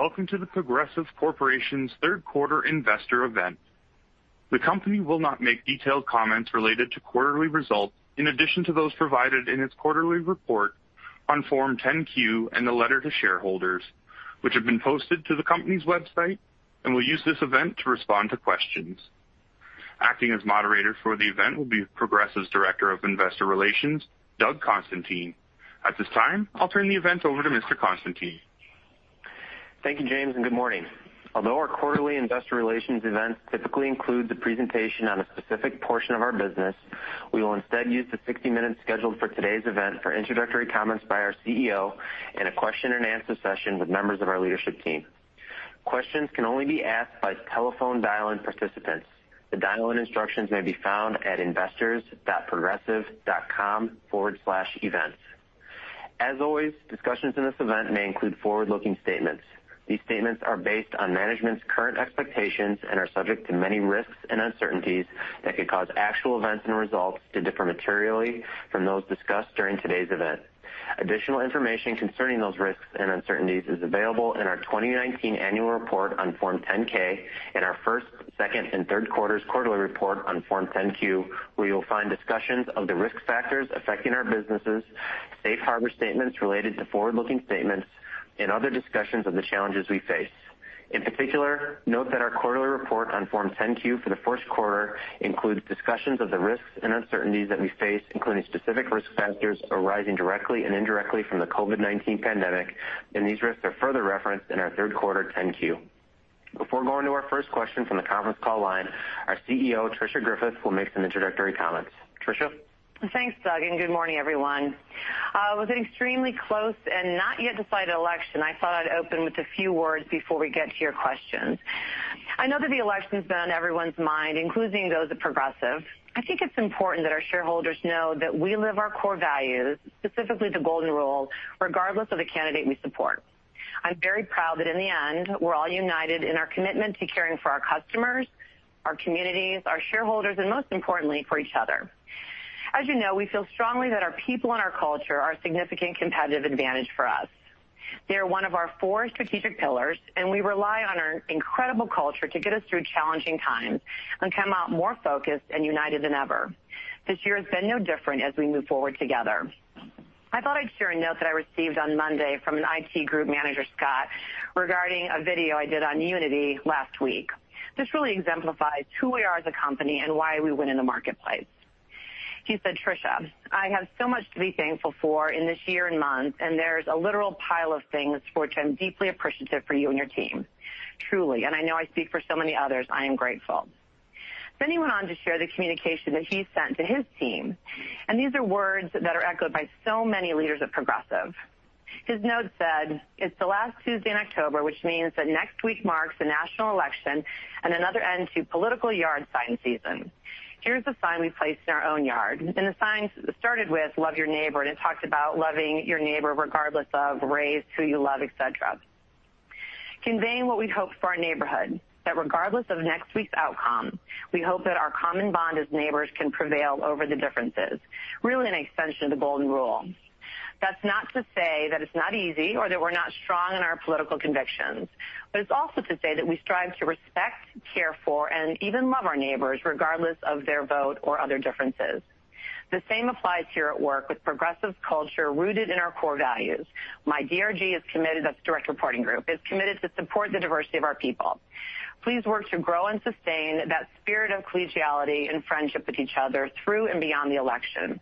Welcome to The Progressive Corporation Third Quarter Investor Event. The company will not make detailed comments related to quarterly results. In addition to those provided in its quarterly report on Form 10-Q, and the letter to shareholders. Which have been posted to the company's website, and will use this event to respond to questions. Acting as moderator for the event, will be Progressive's Director of Investor Relations, Doug Constantine. At this time, I'll turn the event over to Mr. Constantine. Thank you, James, and good morning. Although our quarterly investor relations event, typically includes a presentation on a specific portion of our business. We will instead use the 60 minutes, scheduled for today's event. For introductory comments by our CEO, and a question-and-answer session, with members of our leadership team. Questions can only be asked, by telephone dial-in participants. The dial-in instructions may be found, at investors.progressive.com/events. As always, discussions in this event, may include forward-looking statements. These statements are based on management's current expectations. And are subject to many risks, and uncertainties. That could cause actual events, and results to differ materially, from those discussed during today's event. Additional information concerning those risks, and uncertainties. Is available in our 2019 Annual Report on Form 10-K, and our first, second, and third quarter's quarterly report on Form 10-Q. Where you'll find discussions, of the risk factors affecting our businesses. Safe harbor statements related to forward-looking statements, and other discussions of the challenges we face. In particular, note that our quarterly report on Form 10-Q for the first quarter. Includes discussions of the risks, and uncertainties that we face. Including specific risk factors arising directly, and indirectly from the COVID-19 pandemic. And these risks are further referenced in our third quarter 10-Q. Before going to our first question, from the conference call line. Our CEO Tricia Griffith will make some introductory comments. Tricia? Thanks, Doug, and good morning, everyone. With an extremely close, and not yet decided election. I thought I'd open with a few words, before we get to your questions. I know that the election's been on everyone's mind, including those at Progressive. I think it's important that our shareholders know, that we live our core values. Specifically, the golden rule, regardless of the candidate we support. I'm very proud that in the end, we're all united in our commitment. To caring for our customers, our communities, our shareholders, and most importantly, for each other. As you know, we feel strongly that our people, and our culture are a significant competitive advantage for us. They are one of our four strategic pillars, and we rely on our incredible culture. To get us through challenging times, and come out more focused, and united than ever. This year has been no different, as we move forward together. I thought I'd share a note, that I received on Monday. From an IT Group Manager, Scott, regarding a video I did on unity last week. This really exemplifies who we are as a company, and why we win in the marketplace. He said, "Tricia, I have so much to be thankful for in this year, and month. And there's a literal pile of things, for which I'm deeply appreciative for you, and your team. Truly, and I know I speak for so many others, I am grateful." He went on to share the communication, that he sent to his team. And these are words that are echoed, by so many leaders at Progressive. His note said, "It's the last Tuesday in October, which means that next week marks the national election. And another end to political yard sign season. Here's a sign, we placed in our own yard." The sign started with, "Love your neighbor," and it talked about loving your neighbor regardless of race, who you love, et cetera. "Conveying what we'd hope for our neighborhood, that regardless of next week's outcome. We hope that our common bond, as neighbors can prevail over the differences. Really an extension of the golden rule. That's not to say that it's not easy, or that we're not strong in our political convictions. But it's also to say that we strive to respect, care for. And even love our neighbors, regardless of their vote or other differences. The same applies here at work, with Progressive's culture rooted in our core values. My DRG is committed," that's the direct reporting group, "is committed to support the diversity of our people. Please work to grow, and sustain that spirit of collegiality. And friendship with each other through, and beyond the election."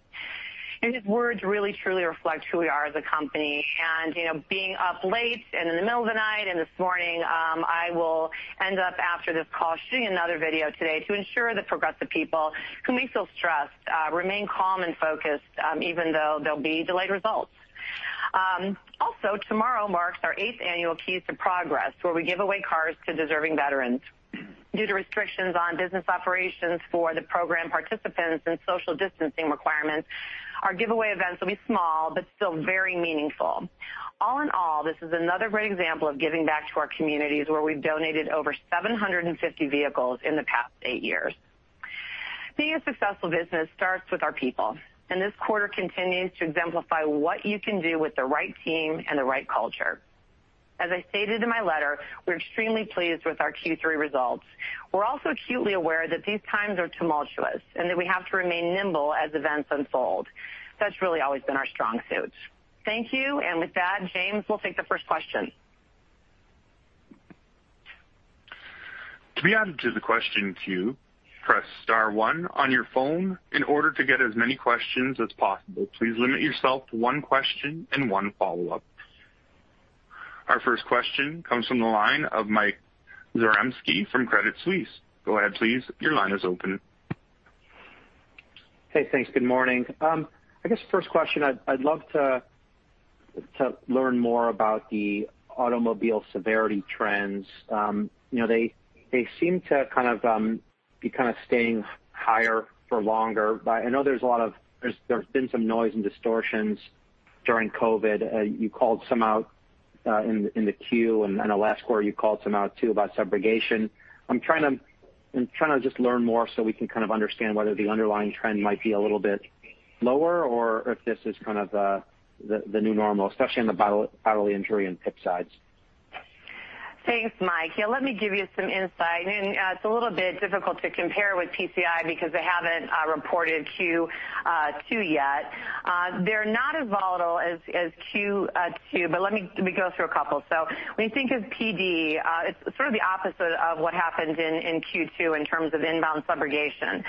His words really truly reflect, who we are as a company. Being up late, and in the middle of the night and this morning. I will end up after this call shooting another video today. To ensure that Progressive people, whom we feel stressed remain calm and focused. Even though there'll be delayed results. Tomorrow marks our eighth annual Keys to Progress, where we give away cars to deserving veterans. Due to restrictions on business operations, for the program participants, and social distancing requirements. Our giveaway event will be small, but still very meaningful. All in all, this is another great example of giving back to our communities. Where we've donated, over 750 vehicles in the past eight years. This successful business starts with our people. This quarter continues to exemplify, what you can do? With the right team, and the right culture. As I stated in my letter, we're extremely pleased with our Q3 results. We're also acutely aware, that these times are tumultuous. And that we have to remain nimble as events unfold. That's really always been our strong suit. Thank you. With that, James will take the first question. To be added to the question queue, press star one on your phone. In order to get as many questions as possible. Please limit yourself to one question, and one follow-up. Our first question comes from, the line of Mike Zaremski from Credit Suisse. Go ahead, please. Your line is open. Hey, thanks. Good morning. I guess first question, I'd love to learn more about the automobile severity trends. They seem to be staying higher for longer. I know there's been some noise, and distortions during COVID. You called some out in the Q2, and then the last quarter. You called some out, too, about subrogation. I'm trying to just learn more, so we can understand. Whether the underlying trend might be a little bit. Lower or if this is the new normal. Especially on the bodily injury, and PIP sides. Thanks, Mike. Let me give you some insight. It's a little bit difficult, to compare with PCI. Because they haven't reported Q2 yet. They're not as volatile as Q2, let me go through a couple. When you think of PD, it's the opposite of what happened in Q2, in terms of inbound subrogation.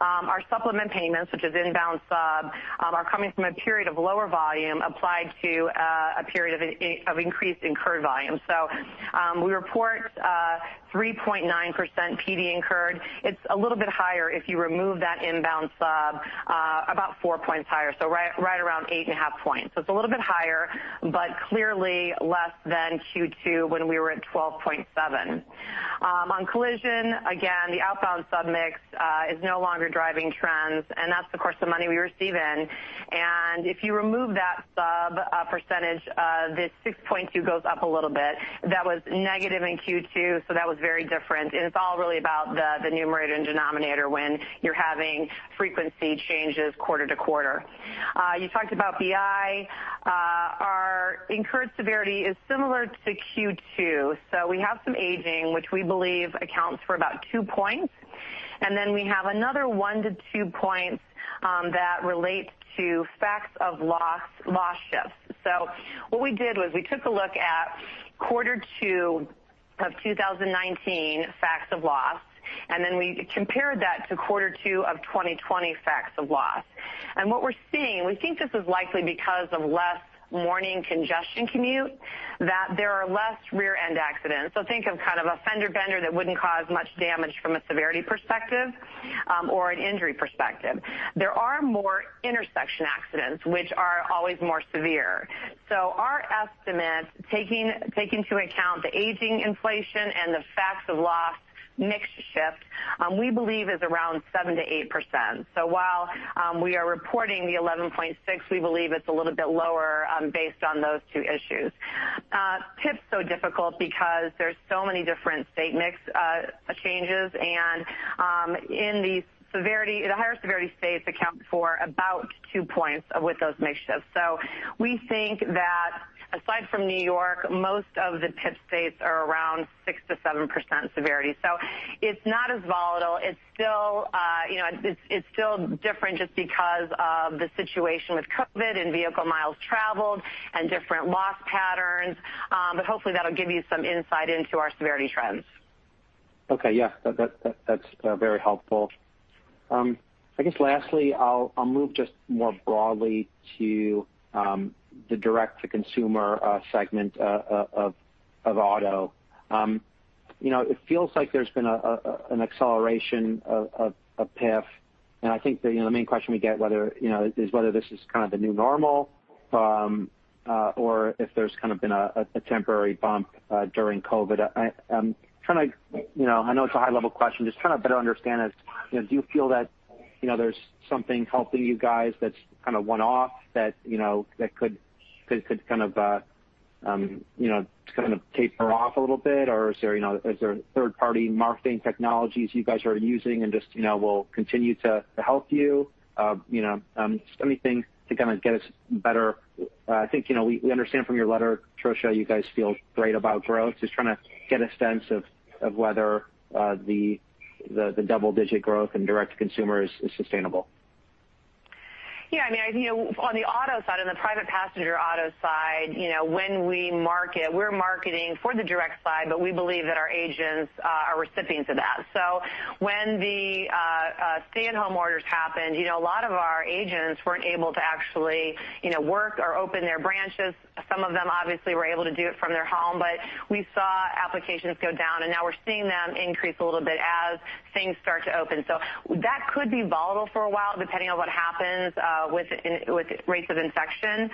Our supplement payments, which is inbound sub. Are coming from a period of lower volume applied, to a period of increased incurred volume. We report 3.9% PD incurred. It's a little bit higher, if you remove that inbound sub. About 4 basis points higher, so right around 8.5 basis points. It's a little bit higher, but clearly less than Q2, when we were at 12.7 basis points. On collision, again, the outbound sub mix is no longer driving trends. That's, of course, the money we receive in. If you remove that sub percentage, the 6.2% goes up a little bit. That was negative in Q2, that was very different. It's all really about the numerator, and denominator. When you're having frequency changes quarter-to-quarter. You talked about BI. Our incurred severity is similar to Q2. We have some aging, which we believe accounts for about 2 basis points. We have another 1 basis point-2 points, that relate to facts of loss shift. What we did was we took a look, at quarter two of 2019 facts of loss. We compared that to quarter two of 2020 facts of loss. What we're seeing, we think this is likely. Because of less morning congestion commute, that there are less rear-end accidents. Think of a fender bender, that wouldn't cause much damage. From a severity perspective, or an injury perspective. There are more intersection accidents, which are always more severe. Our estimate, taking into account the aging inflation, and the facts of loss mix shift, we believe is around 7%-8%. While we are reporting the 11.6%. We believe it's a little bit lower, based on those two issues. PIP's so difficult, because there's so many different state mix changes. And the higher severity states account, for about 2 basis points with those mix shifts. We think that aside from New York, most of the PIP states are around 6%-7% severity. It's not as volatile. It's still different just, because of the situation with COVID. And vehicle miles traveled, and different loss patterns. Hopefully, that'll give you some insight into our severity trends. Okay, yeah. That's very helpful. I guess lastly, I'll move just more broadly, to the direct-to-consumer segment of auto. It feels like there's been an acceleration of PIP. I think the main question we get, is whether this is the new normal. Or if there's been a temporary bump during COVID. I know it's a high-level question. Just trying to better understand this. Do you feel that, there's something helping you guys? That's one-off that could taper off a little bit, or is there third-party marketing technologies you guys are using, and just will continue to help you? Just anything to kind of get us better. I think we understand from your letter, Tricia, you guys feel great about growth. Just trying to get a sense of, whether the double-digit growth in direct-to-consumer is sustainable. On the auto side, on the private passenger auto side. When we market, we're marketing for the direct side. But we believe that our agents, are recipients of that. When the stay-at-home orders happened, a lot of our agents weren't able to actually work or open their branches. Some of them obviously, were able to do it from their home. But we saw applications go down, and now we're seeing them. Increase a little bit, as things start to open. That could be volatile for a while, depending on what happens with rates of infection.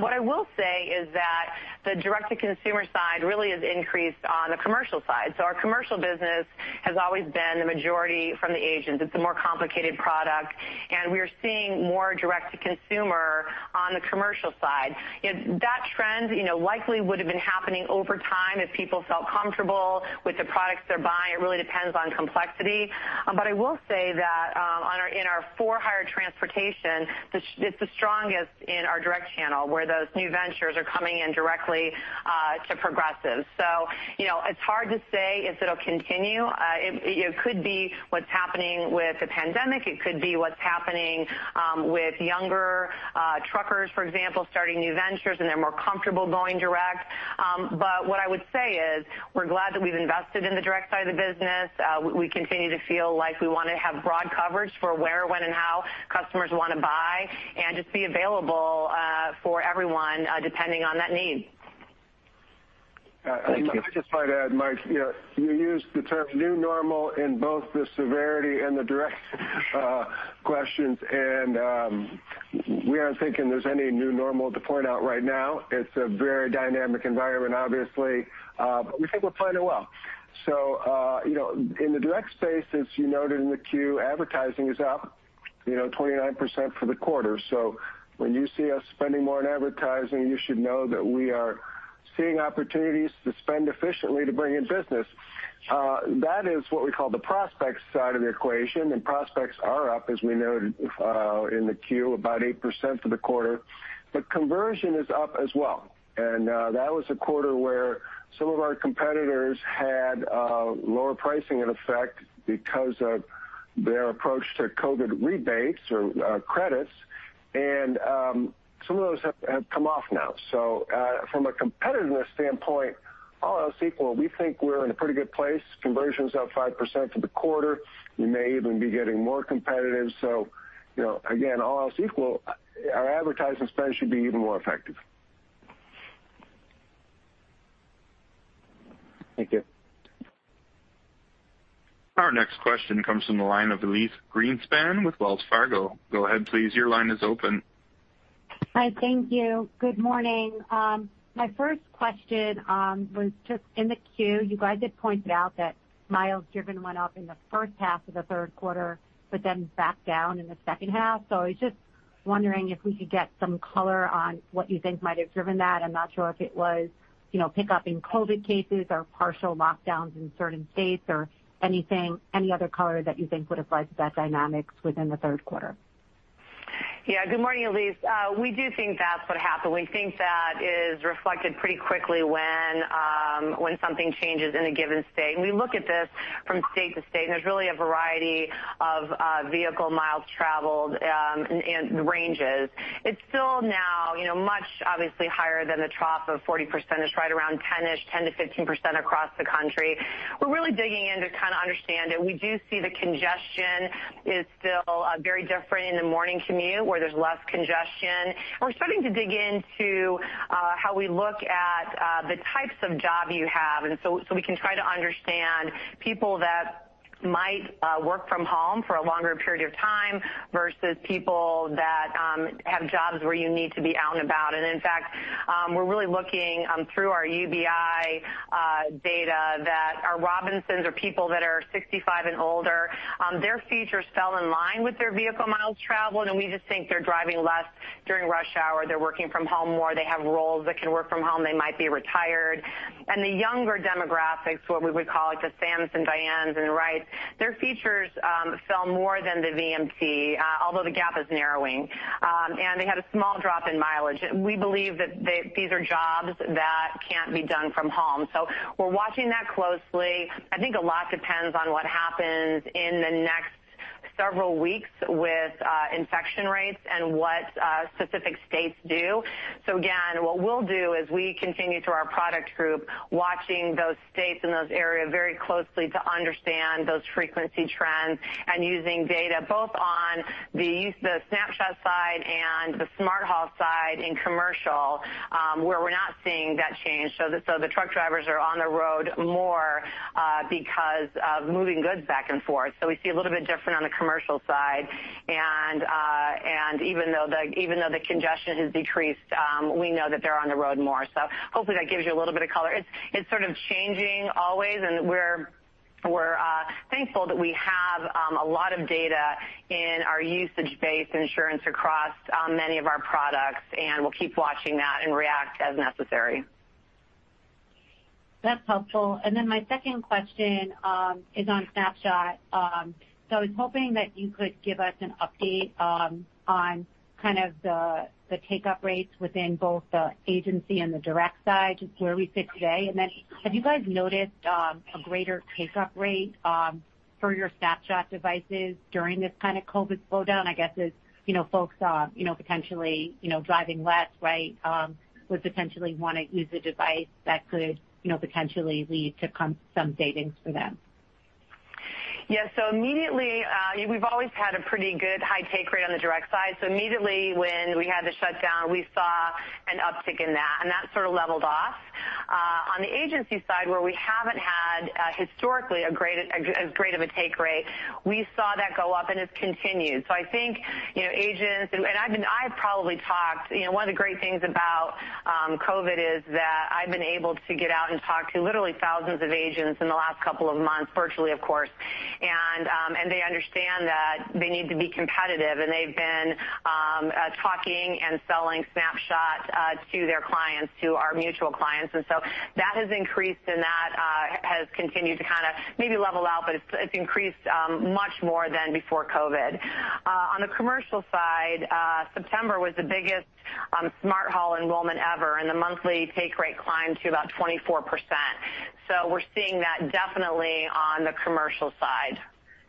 What I will say is that the direct-to-consumer side, really has increased on the commercial side. Our commercial business, has always been the majority from the agents. It's a more complicated product, and we are seeing more direct to consumer on the commercial side. That trend likely would've been happening over time. If people felt comfortable, with the products they're buying. It really depends on complexity. I will say that in our for-hire transportation, it's the strongest in our direct channel. Where those new ventures, are coming in directly to Progressive. It's hard to say, if it'll continue. It could be, what's happening with the pandemic? It could be, what's happening with younger truckers? For example, starting new ventures, and they're more comfortable going direct. What I would say is, we're glad that we've invested in the direct side of the business. We continue to feel like, we want to have broad coverage. For where, when, and how customers want to buy. And just be available for everyone, depending on that need. Thank you. I'd just like to add, Mike, you used the term new normal in both the severity, and the direct questions. We aren't thinking there's any new normal, to point out right now. It's a very dynamic environment, obviously. We think we're playing it well. In the direct space, as you noted in the Q, advertising is up 29% for the quarter. When you see us spending more on advertising, you should know. That we are seeing opportunities, to spend efficiently to bring in business. That is what we call, the prospects side of the equation. Prospects are up, as we noted in the Q, about 8% for the quarter. Conversion is up as well. That was a quarter, where some of our competitors. Had lower pricing in effect, because of their approach to COVID rebates or credits. And some of those have come off now. From a competitiveness standpoint, all else equal, we think we're in a pretty good place. Conversion's up 5% for the quarter. We may even be getting more competitive. Again, all else equal, our advertising spend should be even more effective. Thank you. Our next question comes from, the line of Elyse Greenspan with Wells Fargo. Go ahead, please. Your line is open. Hi, thank you. Good morning. My first question was just in the Q, you guys had pointed out. That miles driven went up, in the first half of the third quarter. But then back down, in the second half. I was just wondering, if we could get some color on. What you think might have driven that? I'm not sure if it was pick up in COVID cases, or partial lockdowns in certain states or anything. Any other color that you think, would apply to that dynamics within the third quarter? Yeah, good morning, Elyse. We do think, that's what happened. We think, that is reflected pretty quickly. When something changes in a given state. We look at this from state to state, and there's really a variety of vehicle miles traveled in ranges. It's still now much, obviously, higher than the trough of 40%. It's right around 10%-ish, 10%-15% across the country. We're really digging in to understand it. We do see the congestion, is still very different in the morning commute. Where there's less congestion. We're starting to dig into, how we look at the types of job you have? And so, we can try to understand, people that might work from home. For a longer period of time, versus people that have jobs. Where you need to be out, and about. In fact, we're really looking through our UBI data. That our Robinsons are people that are 65 and older. Their features fell in line, with their vehicle miles traveled. And we just think, they're driving less during rush hour. They're working from home more. They have roles that can work from home. They might be retired. The younger demographics, what we would call the Sams, and Dianes, and the Wrights. Their features fell more than the VMT, although the gap is narrowing. They had a small drop in mileage. We believe that these are jobs, that can't be done from home. We're watching that closely. I think a lot depends on, what happens in the next several weeks. With infection rates, and what specific states do? Again, what we'll do is we continue through our product group. Watching those states, and those areas very closely to understand. Those frequency trends, and using data both on the Snapshot side, and the Smart Haul side in commercial. Where we're not seeing that change. The truck drivers are on the road more, because of moving goods back and forth. We see a little bit different on the commercial side. Even though the congestion has decreased, we know that they're on the road more. Hopefully that gives you a little bit of color. It's sort of changing always, and we're thankful. That we have a lot of data in our usage-based insurance, across many of our products. And we'll keep watching that, and react as necessary. That's helpful. My second question is on Snapshot. I was hoping that, you could give us an update on the take-up rates. Within both the agency, and the direct side. Just where we sit today. Have you guys noticed a greater take-up rate, for your Snapshot devices during this COVID slowdown? I guess as folks are potentially driving less, would potentially want to use a device. That could potentially, lead to some savings for them. Yes, so immediately. We've always had a pretty good high take rate on the direct side. Immediately, when we had the shutdown. We saw an uptick in that, and that sort of leveled off. On the agency side, where we haven't had historically as great of a take rate. We saw that go up, and it's continued. I think, your agents I mean, I'll probably talk. One of the great things about, COVID is that I've been able to get out. And talk to literally thousands of agents, in the last couple of months, virtually of course. And they understand, that they need to be competitive. And they've been talking, and selling Snapshot to their clients, to our mutual clients. That has increased, and that has continued to maybe level out. But it's increased much more than, before COVID. On the commercial side, September was the biggest Smart Haul enrollment ever. And the monthly take rate climbed to about 24%. We're seeing that definitely on the commercial side.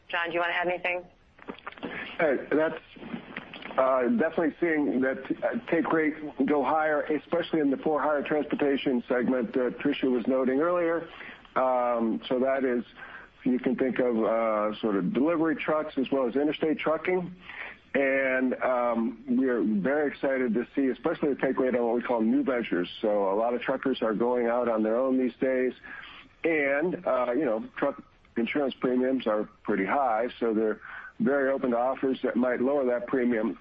John, do you want to add anything? That's definitely seeing, that take rate go higher. Especially, in the for-hire transportation segment, that Tricia was noting earlier. That is you can think of delivery trucks, as well as interstate trucking. And we're very excited to see especially, the take rate on what we call new ventures. A lot of truckers are going out on their own these days. And truck insurance premiums are pretty high. So they're very open to offers, that might lower that premium.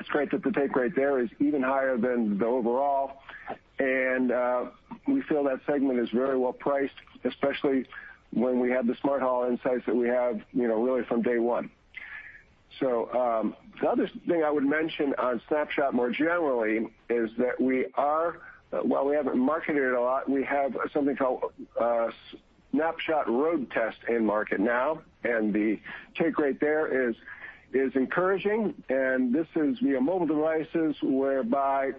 It's great that the take rate, there is even higher than the overall. And we feel that segment is very well priced. Especially, when we have the Smart Haul insights, that we have really from day one. The other thing I would mention on Snapshot more generally, is that while we haven't marketed it a lot. We have something called Snapshot Road Test in market now, and the take rate there is encouraging. This is via mobile devices, whereby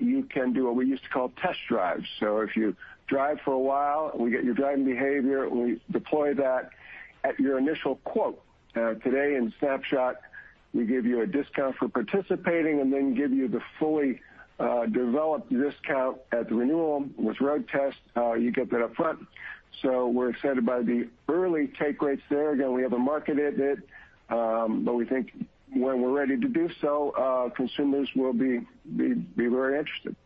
you can do. What we used to call test drives? If you drive for a while, we get your driving behavior. We deploy that, at your initial quote. Today in Snapshot, we give you a discount for participating. And then give you, the fully developed discount at the renewal. With Road Test, you get that upfront. We're excited by the early take rates there. Again, we haven't marketed it, but we think. When we're ready to do so, consumers will be very interested.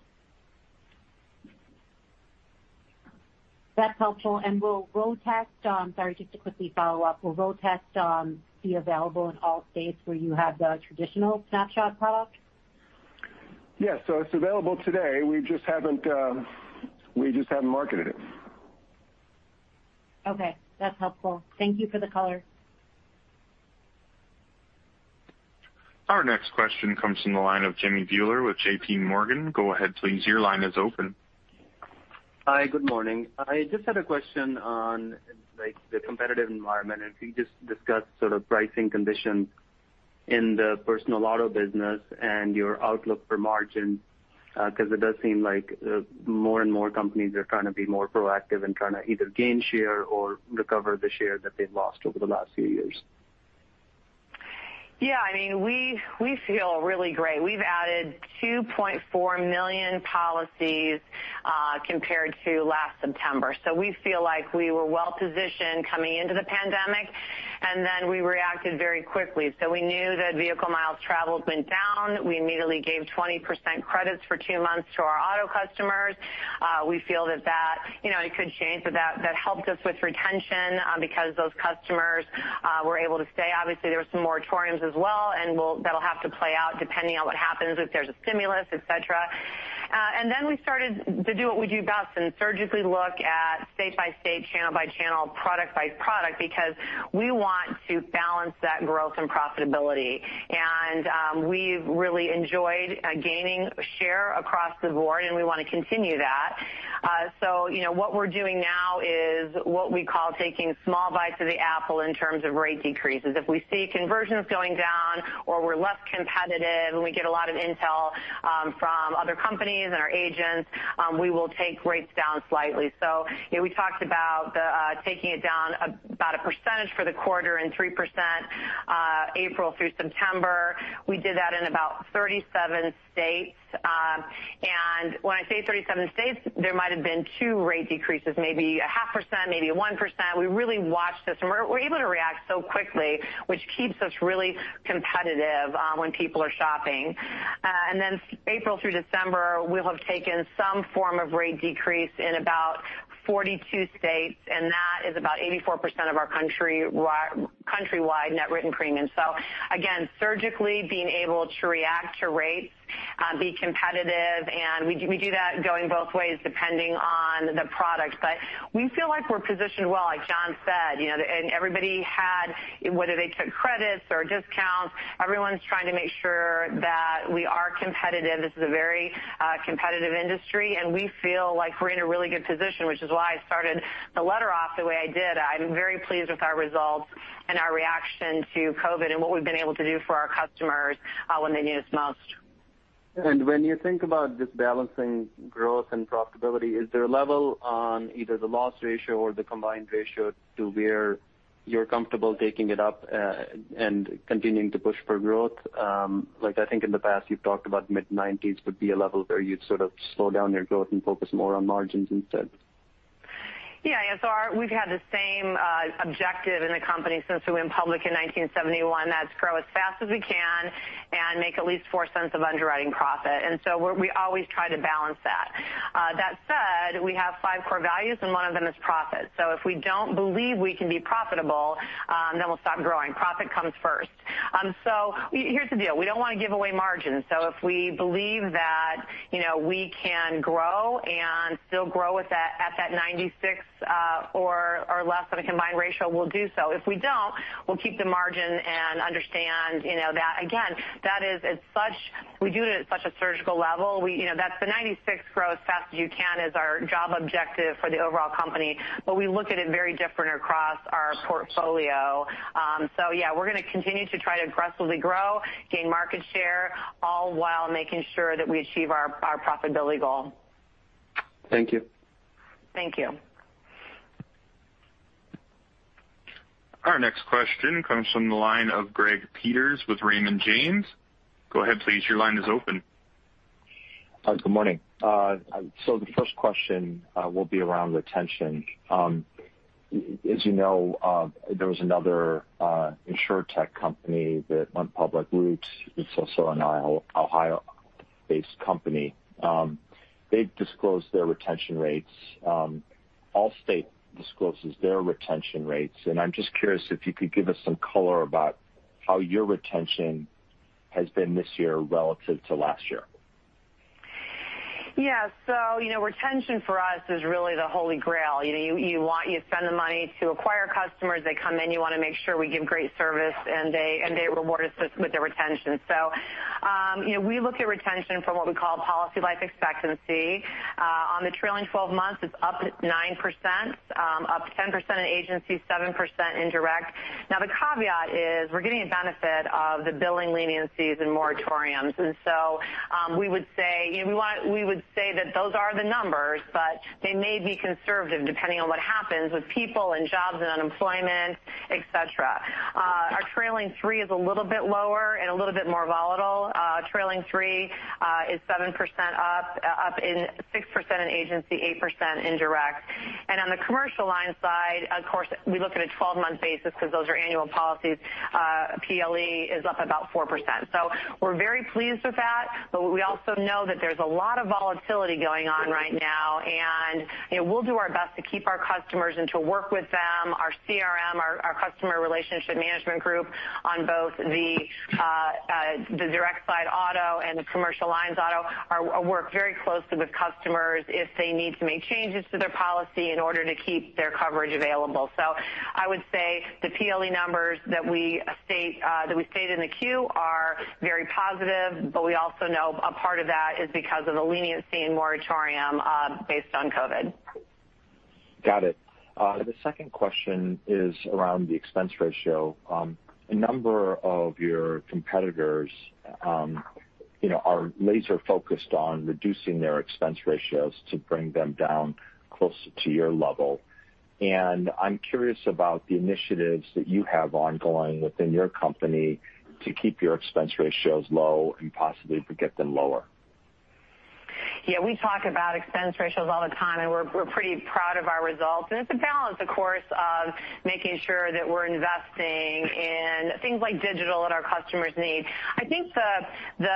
That's helpful. Sorry, just to quickly follow up. Will Road Test be available in all states? Where you have the traditional Snapshot product? Yes. It's available today, we just haven't marketed it. Okay, that's helpful. Thank you for the color. Our next question comes from, the line of Jimmy Bhullar with JPMorgan. Go ahead, please. Hi, good morning. I just had a question on the competitive environment. Can you just discuss sort of pricing conditions, in the personal auto business, and your outlook for margins? It does seem like more, and more companies are trying to be more proactive. In trying to either gain share, or recover the share. That they've lost, over the last few years. Yeah, we feel really great. We've added 2.4 million policies, compared to last September. We feel like we were well-positioned, coming into the pandemic. And then we reacted very quickly. We knew, that vehicle miles traveled went down. We immediately, gave 20% credits for two months, to our auto customers. We feel that it could change, but that helped us with retention. Because those customers were able to stay. Obviously, there were some moratoriums as well. And that'll have to play out depending on what happens, if there's a stimulus, et cetera. We started to do what we do best, and surgically look at state by state, channel by channel, product by product. Because we want to balance that growth, and profitability. We've really enjoyed gaining share across the board, and we want to continue that. What we're doing now is, what we call taking small bites of the apple, in terms of rate decreases. If we see conversions going down, or we're less competitive. And we get a lot of intel, from other companies, and our agents. We will take rates down slightly. We talked about taking it down, about a percentage for the quarter, and 3% April through September. We did that in about 37 states. When I say 37 states, there might've been two rate decreases, maybe 0.5%, maybe a 1%. We really watch this, and we're able to react so quickly. Which keeps us really competitive, when people are shopping. Then April through December, we'll have taken some form of rate decrease. In about 42 states, and that is about 84% of our countrywide net written premium. Again, surgically being able to react to rates. Be competitive, and we do that going both ways, depending on the product. We feel like we're positioned well, like John said. Everybody had, whether they took credits or discounts,. Everyone's trying to make sure, that we are competitive. This is a very competitive industry, we feel like we're in a really good position. Which is why I started the letter off the way I did. I'm very pleased with our results, and our reaction to COVID. And what we've been able to do, for our customers. When they need us most. When you think about just balancing growth, and profitability. Is there a level on either the loss ratio, or the combined ratio? To where you're comfortable taking it up, and continuing to push for growth? I think in the past you've talked, about mid-90%s would be a level. Where you'd sort of slow down your growth, and focus more on margins instead? Yeah. We've had the same objective in the company, since we went public in 1971. That's grow as fast as we can, and make at least $0.04 of underwriting profit. We always try to balance that. That said, we have five core values, and one of them is profit. If we don't believe we can be profitable, then we'll stop growing. Profit comes first. Here's the deal. We don't want to give away margin. If we believe that we can grow, and still grow at that 96 or less of a combined ratio, we'll do so. If we don't, we'll keep the margin, and understand that again. That it's, as such. We do it at such a surgical level. The 96 grow as fast as you can, is our job objective for the overall company. But we look at it very different across our portfolio. Yeah, we're going to continue to try to aggressively grow, gain market share. All while making sure, that we achieve our profitability goal. Thank you. Thank you. Our next question comes from, the line of Greg Peters with Raymond James. Go ahead, please. Good morning. The first question, will be around retention. As you know, there was another Insurtech company. That went public, Root. It's also an Ohio-based company. They've disclosed their retention rates. Allstate discloses their retention rates. I'm just curious, if you could give us some color about. How your retention, has been this year relative to last year? Retention for us is really the holy grail. You spend the money to acquire customers. They come in, you want to make sure we give great service. And they reward us, with their retention. We look at retention from, what we call policy life expectancy? On the trailing 12 months, it's up 9%, up 10% in agency, 7% in direct. The caveat is we're getting a benefit of the billing leniencies, and moratoriums. We would say, that those are the numbers. But they may be conservative, depending on what happens with people, and jobs, and unemployment, et cetera. Our trailing three is a little bit lower, and a little bit more volatile. Trailing three is 7% up, 6% in agency, 8% in direct. On the commercial line side, of course, we look at a 12-month basis. Because those are annual policies. PLE is up about 4%. We're very pleased with that, we also know. That there's a lot of volatility going on right now. We'll do our best to keep our customers, and to work with them. Our CRM, our Customer Relationship Management group. On both the direct side auto, and the Commercial Lines auto. Work very closely with customers, if they need to make changes to their policy. In order to keep their coverage available. I would say the PLE numbers, that we stated in the Q are very positive. We also know a part of that is, because of the leniency, and moratorium based on COVID. Got it. The second question, is around the expense ratio. A number of your competitors, are laser-focused on reducing their expense ratios. To bring them down, closer to your level. I'm curious about the initiatives, that you have ongoing within your company. To keep your expense ratios low, and possibly to get them lower. We talk about expense ratios all the time, and we're pretty proud of our results. And it's a balance, of course, of making sure that we're investing. In things like digital, that our customers need. I think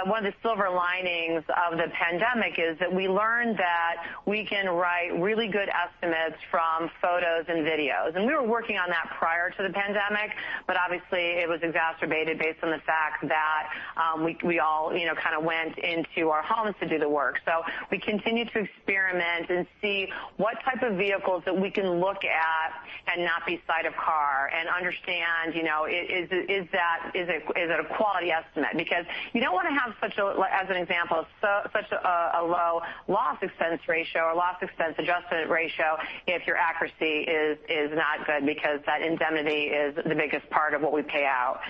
one of the silver linings of the pandemic, is that we learned that. We can write really good estimates, from photos and videos. We were working on that prior to the pandemic. But obviously, it was exacerbated based on the fact that, we all kind of went into our homes to do the work. We continue to experiment, and see. What type of vehicles that we can look at? And not be inside of car, and understand, is it a quality estimate? Because you don't want to have such a, as an example. Such a low loss expense ratio, or loss expense adjustment ratio. If your accuracy is not good, because that indemnity is the biggest part of what we pay out.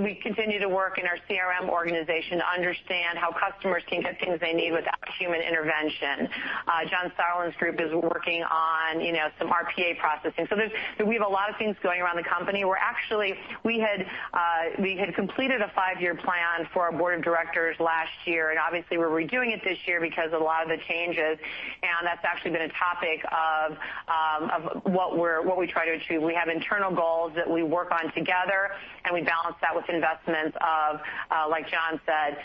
We continue to work in our CRM organization to understand. How customers can get things, they need without human intervention. John Sauerland's group, is working on some RPA processing. We have a lot of things going around the company. Where actually, we had completed a five-year plan, for our Board of Directors last year. Obviously, we're redoing it this year, because of a lot of the changes. That's actually been a topic of, what we try to achieve? We have internal goals, that we work on together. We balance that with investments of, like John said,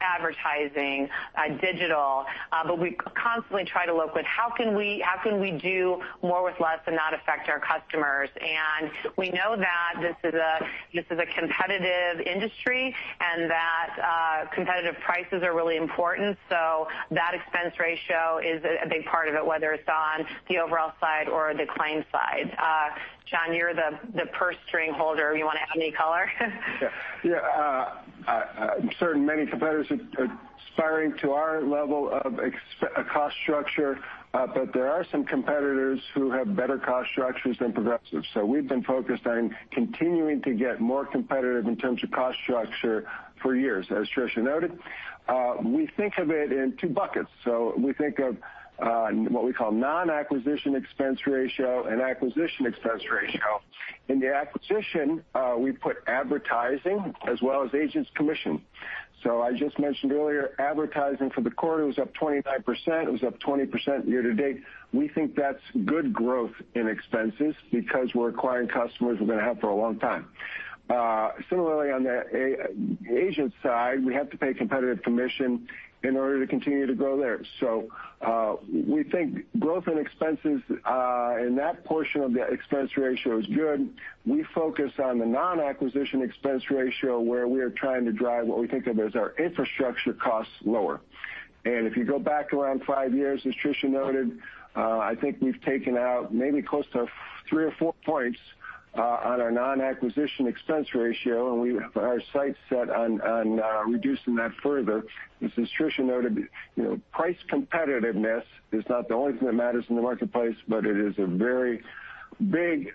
advertising, digital. We constantly try to look with, how can we do more with less, and not affect our customers? We know that this is a competitive industry, and that competitive prices are really important. That expense ratio is a big part of it. Whether it's on the overall side or the claim side. John, you're the purse string holder. You want to add any color? I'm certain many competitors are aspiring, to our level of cost structure. There are some competitors, who have better cost structures than Progressive's. We've been focused on continuing, to get more competitive in terms of cost structure for years. As Tricia noted, we think of it in two buckets. We think of what we call non-acquisition expense ratio, and acquisition expense ratio. In the acquisition, we put advertising, as well as agents' commission. I just mentioned earlier, advertising for the quarter was up 29%. It was up 20% year-to-date. We think, that's good growth in expenses. Because we're acquiring customers, we're going to have for a long time. Similarly, on the agent side, we have to pay competitive commission. In order to continue to grow there. We think growth, and expenses in that portion of the expense ratio is good. We focus on the non-acquisition expense ratio, where we are trying to drive. What we think of as, our infrastructure costs lower? If you go back around five years, as Tricia noted. I think we've taken out, maybe close to 3 basis points or 4 basis points, on our non-acquisition expense ratio. And we have our sights set on reducing that further. As Tricia noted, price competitiveness is not the only thing, that matters in the marketplace. But it is a very big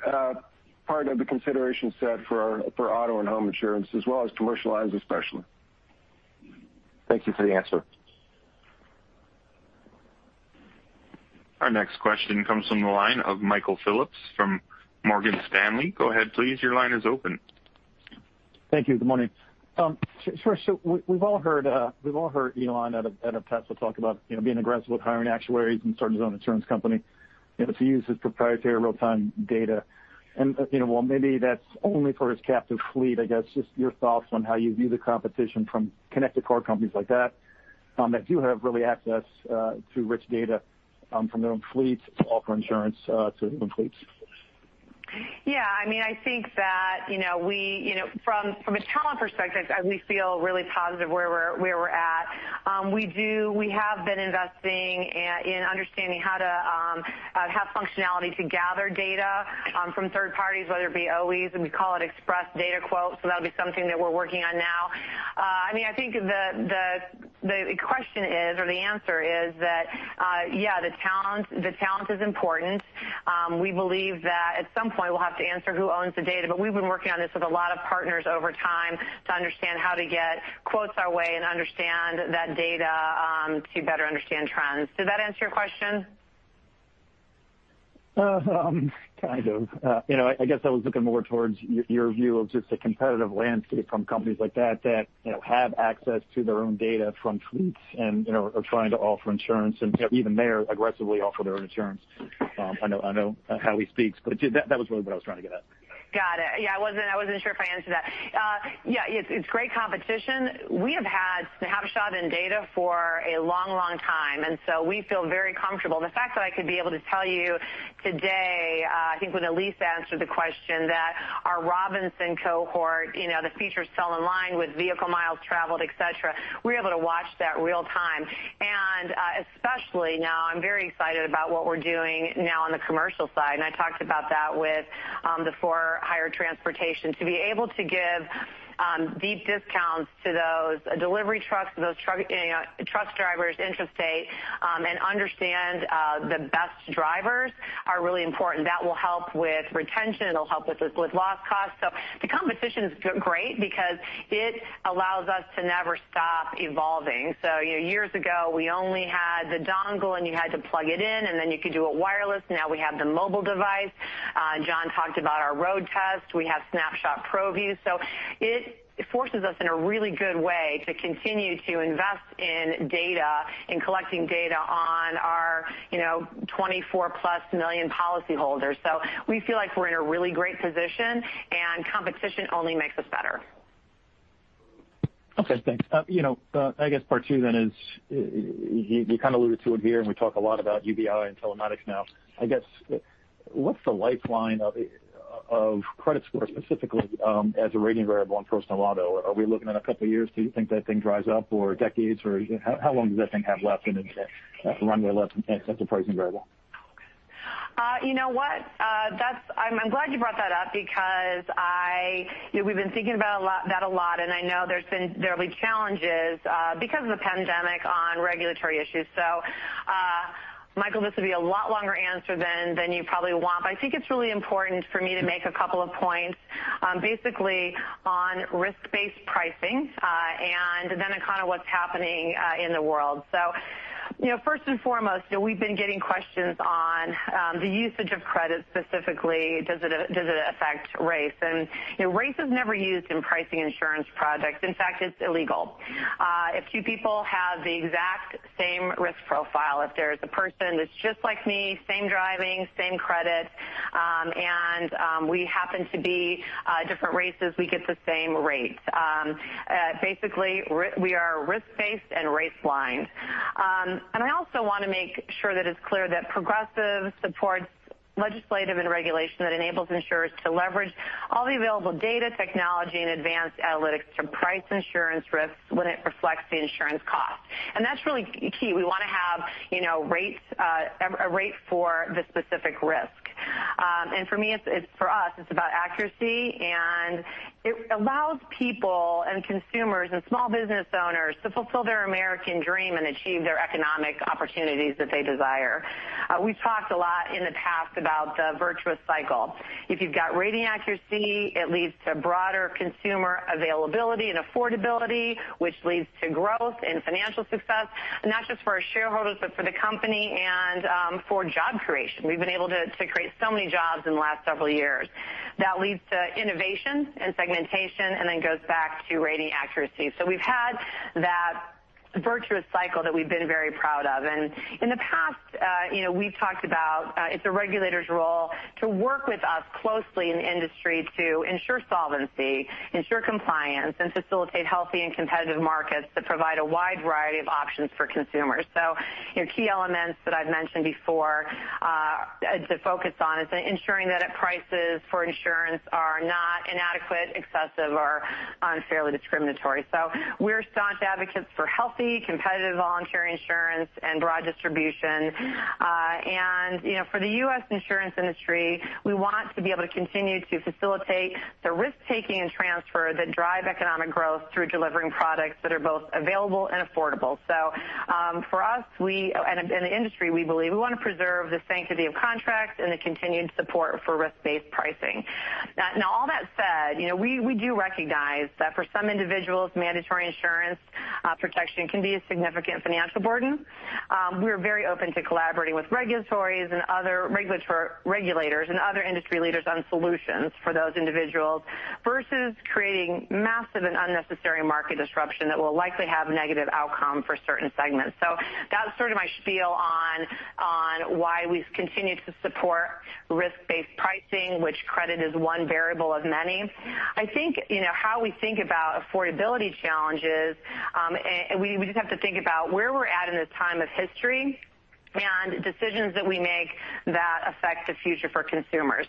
part of the consideration set for auto, and home insurance. As well as Commercial Lines, especially. Thank you for the answer. Our next question comes from, the line of Michael Phillips from Morgan Stanley. Go ahead, please. Thank you, good morning. Tricia, we've all heard Elon out at Tesla talk. About being aggressive with hiring actuaries, and starting his own insurance company. To use his proprietary real-time data. While maybe that's only for his captive fleet. I guess, just your thoughts on, how you view the competition? From connected car companies like that, do have really access to rich data. From their own fleets to offer insurance to human fleets? Yeah, I think that from a talent perspective, we feel really positive where we're at. We do, we have been investing in understanding. How to have functionality to gather data, from third parties. Whether it be OEs, and we call it express data quotes. That'll be something, that we're working on now. I think the question is, or the answer is that. Yeah, the talent is important. We believe that at some point, we'll have to answer who owns the data? But we've been working on this, with a lot of partners over time. To understand how to get quotes our way, and understand that data. To better understand trends. Did that answer your question? Kind of, I guess, I was looking more towards your view, of just the competitive landscape. From companies like that, have access to their own data from fleets. And are trying to offer insurance, and even they're aggressively offer their own insurance. I know how he speaks, but that was really. What I was trying to get at. Got it. I wasn't sure if I answered that. It's great competition. We have had Snapshot, and data for a long time, we feel very comfortable. The fact, that I could be able to tell you today. I think, when Elyse answered the question that our Robinson cohort. The features fell in line, with vehicle miles traveled, et cetera. We're able to watch that real time. Especially now I'm very excited about, what we're doing now on the commercial side. And I talked about that, with the for hire transportation. To be able to give deep discounts, to those delivery trucks. Those truck drivers, interstate, and understand, the best drivers are really important. That will help with retention. It'll help with loss costs. The competition's great, because it allows us to never stop evolving. Years ago, we only had the dongle, and you had to plug it in. And then you could do it wireless. Now we have the mobile device. John talked about our Snapshot Road Test. We have Snapshot ProView. It forces us in a really good way, to continue to invest in data. And collecting data, on our 24+ million policyholders. We feel like we're in a really great position, and competition only makes us better. Okay, thanks. I guess part two then is, you kind of alluded to it here. And we talk a lot about UBI, and telematics now. I guess, what's the lifeline of credit score, specifically, as a rating variable in personal auto? Are we looking at a couple of years, till you think that thing dries up or decades. Or how long does that thing have left in it, runway left as a pricing variable? You know what? I'm glad you brought that up, because we've been thinking about that a lot. I know there have been challenges, because of the pandemic on regulatory issues. Michael, this will be a lot longer answer, than you probably want. But I think it's really important for me, to make a couple of points. Basically on risk-based pricing, and then on what's happening in the world. First and foremost, we've been getting questions on the usage of credit. Specifically, does it affect race? Race is never used in pricing insurance products. In fact, it's illegal. If two people have the exact same risk profile. If there's a person that's just like me, same driving, same credit. And we happen to be different races, we get the same rates. Basically, we are risk-based, and race-blind. I also want to make sure, that it's clear that Progressive supports. Legislation, and regulation that enables insurers to leverage. All the available data technology, and advanced analytics. To price insurance risks, when it reflects the insurance cost. That's really key. We want to have, a rate for the specific risk. For us, it's about accuracy, and it about people, and consumers, and small business owners. To fulfill their American dream, and achieve their economic opportunities that they desire. We've talked a lot in the past, about the virtuous cycle. If you've got rating accuracy, it leads to broader consumer availability and affordability. Which leads to growth, and financial success. And not just for our shareholders, but for the company, and for job creation. We've been able to create, so many jobs in the last several years. That leads to innovation, and segmentation, and then goes back to rating accuracy. We've had that virtuous cycle, that we've been very proud of. In the past we've talked about, it's a regulator's role. To work with us closely in the industry to ensure solvency. Ensure compliance, and facilitate healthy, and competitive markets. That provide a wide variety of options for consumers. Key elements that I've mentioned before, to focus on is ensuring that prices for insurance. Are not inadequate, excessive, or unfairly discriminatory. We're staunch advocates for healthy, competitive, voluntary insurance, and broad distribution. For the U.S. insurance industry, we want to be able to continue. To facilitate the risk-taking, and transfer that drive economic growth. Through delivering products that are both available, and affordable. For us, and in the industry, we believe we want to preserve. The sanctity of contracts, and the continued support for risk-based pricing. All that said we do recognize, that for some individuals, mandatory insurance protection, can be a significant financial burden. We are very open to collaborating with regulators, and other industry leaders on solutions. For those individuals versus creating massive, and unnecessary market disruption. That will likely have negative outcome for certain segments. That's sort of my spiel on, why we've continued to support risk-based pricing? Which credit is one variable of man? I think how we think about affordability challenges, and we just have to think about. Where we're at in this time of history? And decisions that we make, that affect the future for consumers.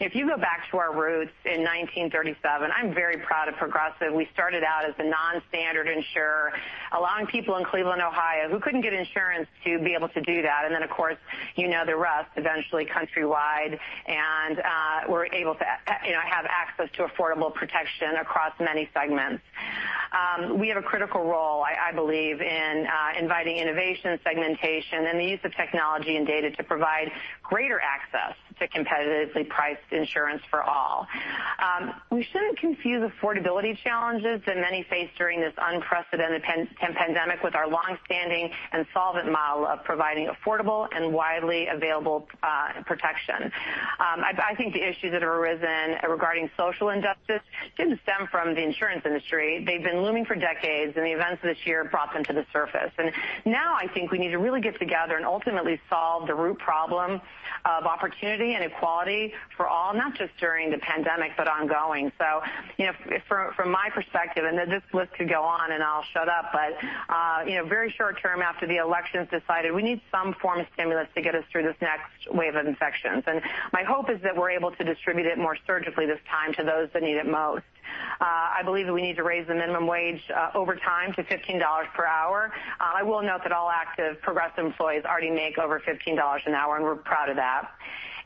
If you go back to our roots in 1937, I'm very proud of Progressive. We started out as a non-standard insurer, allowing people in Cleveland, Ohio. Who couldn't get insurance, to be able to do that. Then, of course, you know the rest, eventually countrywide. And were able to have access, to affordable protection across many segments. We have a critical role, I believe, in inviting innovation, segmentation. And the use of technology, and data to provide greater access. To competitively priced insurance for all. We shouldn't confuse affordability challenges, that many face during this unprecedented pandemic. With our longstanding, and solvent model of providing affordable, and widely available protection. I think the issues that have arisen, regarding social injustice. Didn't stem from the insurance industry. They've been looming for decades, and the events of this year brought them to the surface. Now I think, we need to really get together. And ultimately, solve the root problem of opportunity, and equality for all. Not just during the pandemic, but ongoing. From my perspective, and this list could go on, and I'll shut up. But very short term, after the election's decided. We need some form of stimulus, to get us through this next wave of infections. My hope is that we're able, to distribute it more surgically this time, to those that need it most. I believe that we need to raise, the minimum wage over time to $15 per hour. I will note that all active Progressive employees, already make over $15 an hour, and we're proud of that.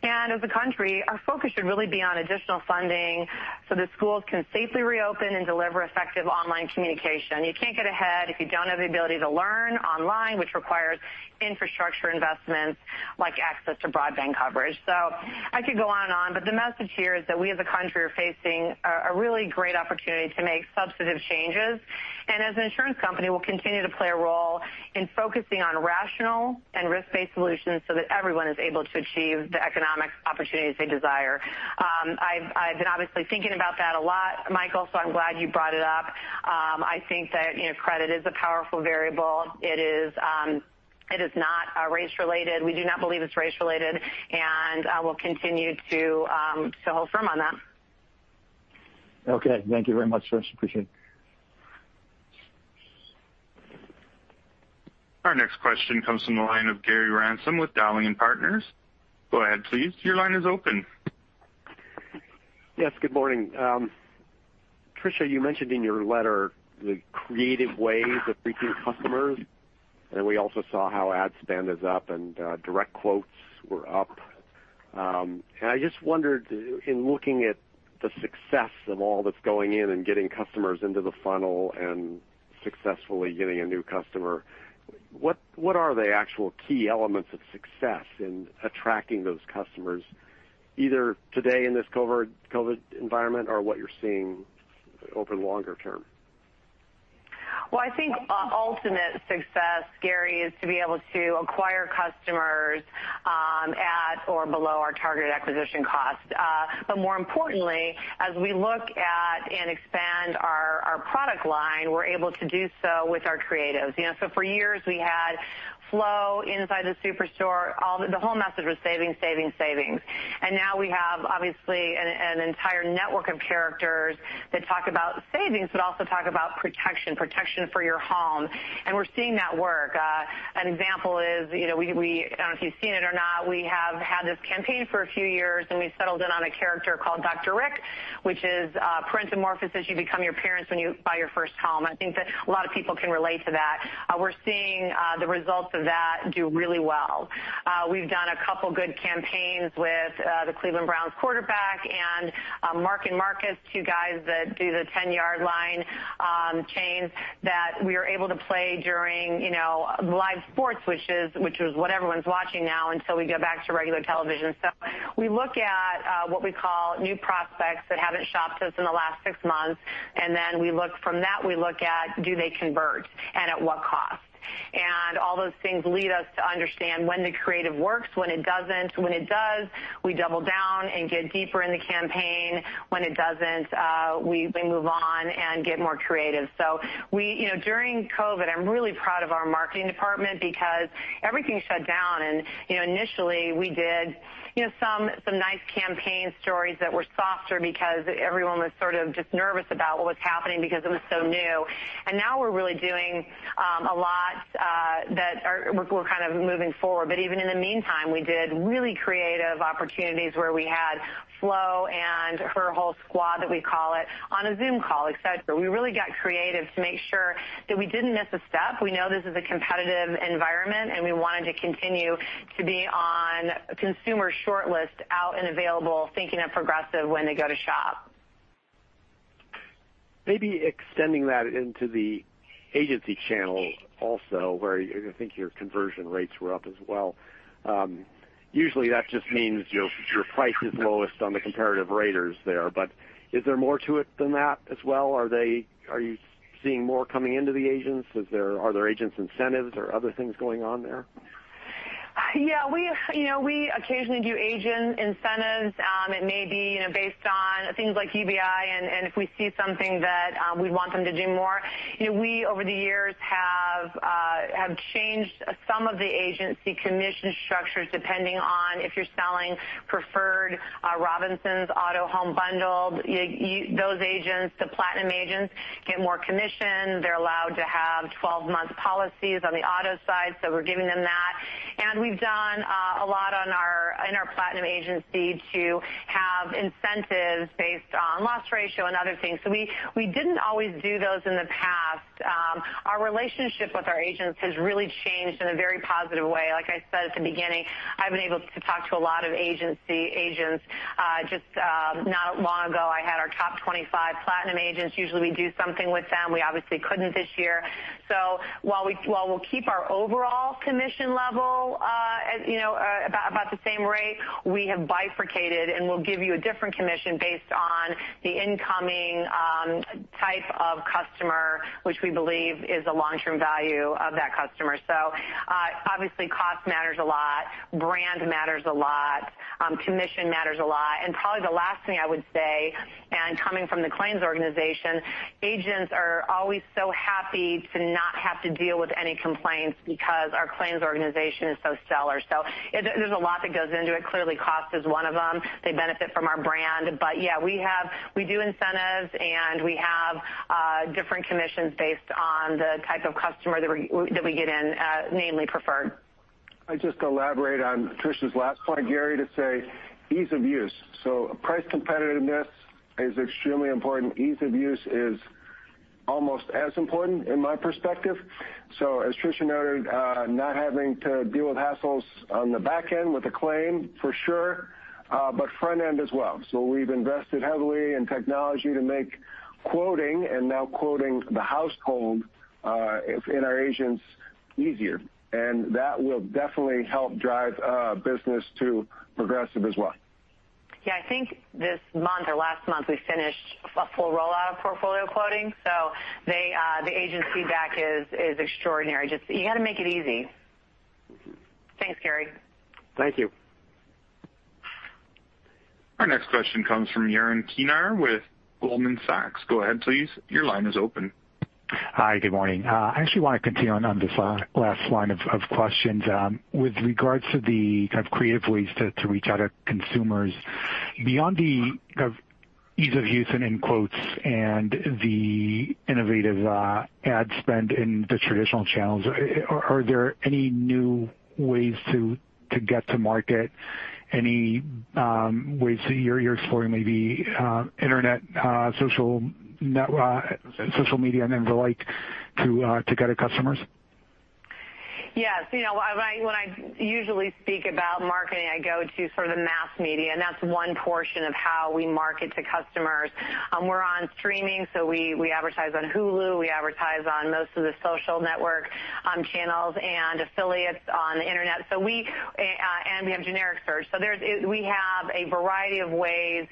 As a country, our focus should really be on additional funding. So that schools can safely reopen, and deliver effective online communication. You can't get ahead, if you don't have the ability to learn online. Which requires infrastructure investments, like access to broadband coverage. I could go on, and on, but the message here is that we as a country. Are facing a really great opportunity, to make substantive changes. And as an insurance company, we'll continue to play a role. In focusing on rational, and risk-based solutions. So that everyone is able, to achieve the economic opportunities they desire. I've been obviously thinking about that a lot. Michael, so I'm glad you brought it up. I think that credit is a powerful variable. It is not race-related. We do not believe it's race-related, and we'll continue to hold firm on that. Okay, thank you very much, Tricia. Appreciate it. Our next question comes from, the line of Gary Ransom with Dowling & Partners. Go ahead, please. Your line is open. Yes, good morning. Tricia, you mentioned in your letter, the creative ways of reaching customers. And we also saw how ad spend is up, and direct quotes were up. I just wondered, in looking at the success of all. That's going in, and getting customers into the funnel. And successfully getting a new customer, what are the actual key elements of success in attracting those customers? Either today in this COVID environment, or what you're seeing over the longer term? I think ultimate success, Gary, is to be able to acquire customers. At or below our targeted acquisition cost. More importantly, as we look at, and expand our product line. We're able to do so, with our creatives. For years we had Flo inside the superstore. The whole message was savings, savings. Now we have, obviously, an entire network of characters. That talk about savings but also talk, about protection for your home, and we're seeing that. An example is, I don't know if you've seen it or not, we have had this campaign for a few years. And we've settled in on a character called Dr. Rick, which is Parenta-Life Coach. As you become your parents, when you buy your first home. I think that a lot of people can relate to that. We're seeing the results of that do really well. We've done a couple of good campaigns, with the Cleveland Browns quarterback, and Mark and Marcus. Two guys that do the 10-yard line chains, that we are able to play during live sports. Which is what everyone's watching now, until we go back to regular television stuff. We look at what we call new prospects, that haven't shopped with us in the last six months. Then from that, we look at do they convert, and at what cost. All those things lead us to understand, when the creative works, when it doesn't. When it does, we double down, and get deeper in the campaign. When it doesn't, we move on, and get more creative. During COVID, I'm really proud of our marketing department, because everything shut down. Initially, we did some nice campaign stories that were softer. Because everyone was sort of just nervous, about what was happening. Because it was so new. Now we're really doing, a lot that we're kind of moving forward. Even in the meantime, we did really creative opportunities. Where we had Flo, and her whole squad, that we call it, on a Zoom call, et cetera. We really got creative to make sure, that we didn't miss a step. We know this is a competitive environment, and we wanted to continue. To be on consumer shortlists out, and available. Thinking of Progressive, when they go to shop. Maybe extending that, into the agency channel also. Where I think your conversion rates were up as well. Usually that just means, your price is lowest on the comparative raters there. Is there more to it than that as well? Are you seeing more coming into the agents? Are there agents incentives, or other things going on there? We occasionally, do agent incentives. It may be based on things like EBI, and if we see something. That we'd want them to do more. We, over the years, have changed some of the agency commission structures. Depending on if you're selling Preferred, Robinsons Auto Home bundles, those agents, the Platinum agents get more commission. They're allowed to have 12-month policies on the auto side. We're giving them that. We've done a lot in our Platinum agency, to have incentives based on loss ratio, and other things. We didn't always do those in the past. Our relationship with our agents, has really changed in a very positive way. Like I said at the beginning, I've been able to talk to a lot of agents. Just not long ago, I had our Top 25 Platinum agents. Usually, we do something with them. We obviously couldn't this year. While we'll keep our overall commission level, about the same rate. We have bifurcated, and we'll give you a different commission. Based on the incoming type of customer, which we believe is a long-term value of that customer. Obviously, cost matters a lot, brand matters a lot, commission matters a lot. Probably the last thing I would say, and coming from the claims organization. Agents are always so happy, to not have to deal with any complaints. Because our claims organization is so stellar. There's a lot that goes into it. Clearly, cost is one of them. They benefit from our brand. Yeah, we do incentives, and we have different commissions. Based on the type of customer that we get in, namely preferred. I'll just elaborate on Tricia's last point, Gary, to say ease of use. Price competitiveness is extremely important. Ease of use is almost, as important in my perspective. As Tricia noted, not having to deal, with hassles on the back end with a claim, for sure, but front end as well. We've invested heavily in technology to make quoting, and now quoting the household, in our agents easier. That will definitely help drive business, to Progressive as well. Yeah, I think this month or last month, we finished a full rollout of Portfolio quoting. The agent feedback is extraordinary. Just you got to make it easy. Thanks, Gary. Thank you. Our next question comes from, Yaron Kinar with Goldman Sachs. Go ahead, please. Your line is open. Hi, good morning. I actually want to continue, on this last line of questions. With regards to the kind of creative ways, to reach out to consumers. Beyond the kind of ease of use, and end quotes. And the innovative ad spend, in the traditional channels. Are there any new ways, to get to market? Any ways that you're exploring, maybe internet, social media, and the like to get to customers? Yes. When I usually speak about marketing, I go to sort of the mass media. That's one portion, of how we market to customers. We're on streaming, we advertise on Hulu. We advertise on most of the social network channels, and affiliates on the internet. We have generic search. We have a variety of ways,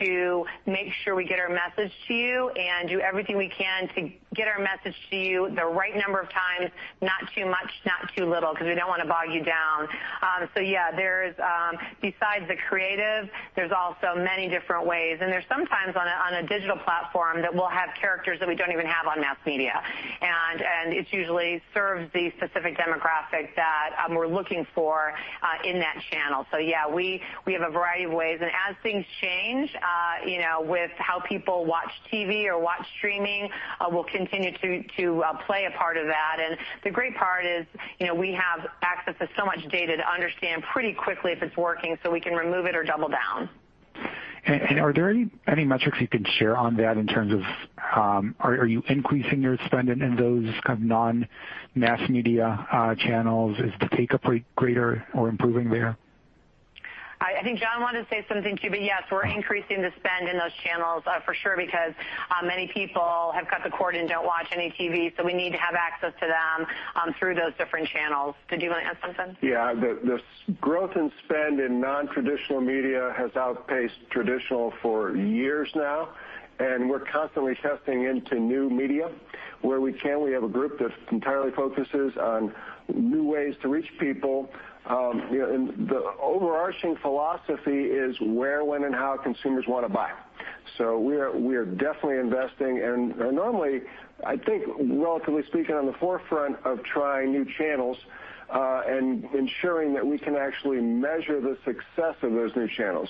to make sure we get our message to you. And do everything we can, to get our message to you. The right number of times, not too much, not too little. Because we don't want to bog you down. Yeah, besides the creative, there's also many different ways. There's sometimes on a digital platform, that we'll have characters. That we don't even have on mass media. It usually serves the specific demographic, that we're looking for in that channel. Yeah, we have a variety of ways, and as things change. With how people watch TV or watch streaming, we'll continue to play a part of that. The great part is we have access, to so much data to understand. Pretty quickly if it's working, so we can remove it or double down. Are there any metrics you can share on that? In terms of are you increasing your spend, in those kind of non-mass media channels? Is the take-up rate greater or improving there? I think, John wanted to say something too. Yes, we're increasing the spend in those channels for sure. Because many people have cut the cord, and don't watch any TV. We need to have access to them, through those different channels. Did you want to add something? The growth in spend in non-traditional media, has outpaced traditional for years now. We're constantly testing into new media, where we can. We have a group that entirely focuses on, new ways to reach people. The overarching philosophy is where, when, and how consumers want to buy. We are definitely investing, and normally. I think, relatively speaking, on the forefront of trying new channels. And ensuring that we can actually measure, the success of those new channels.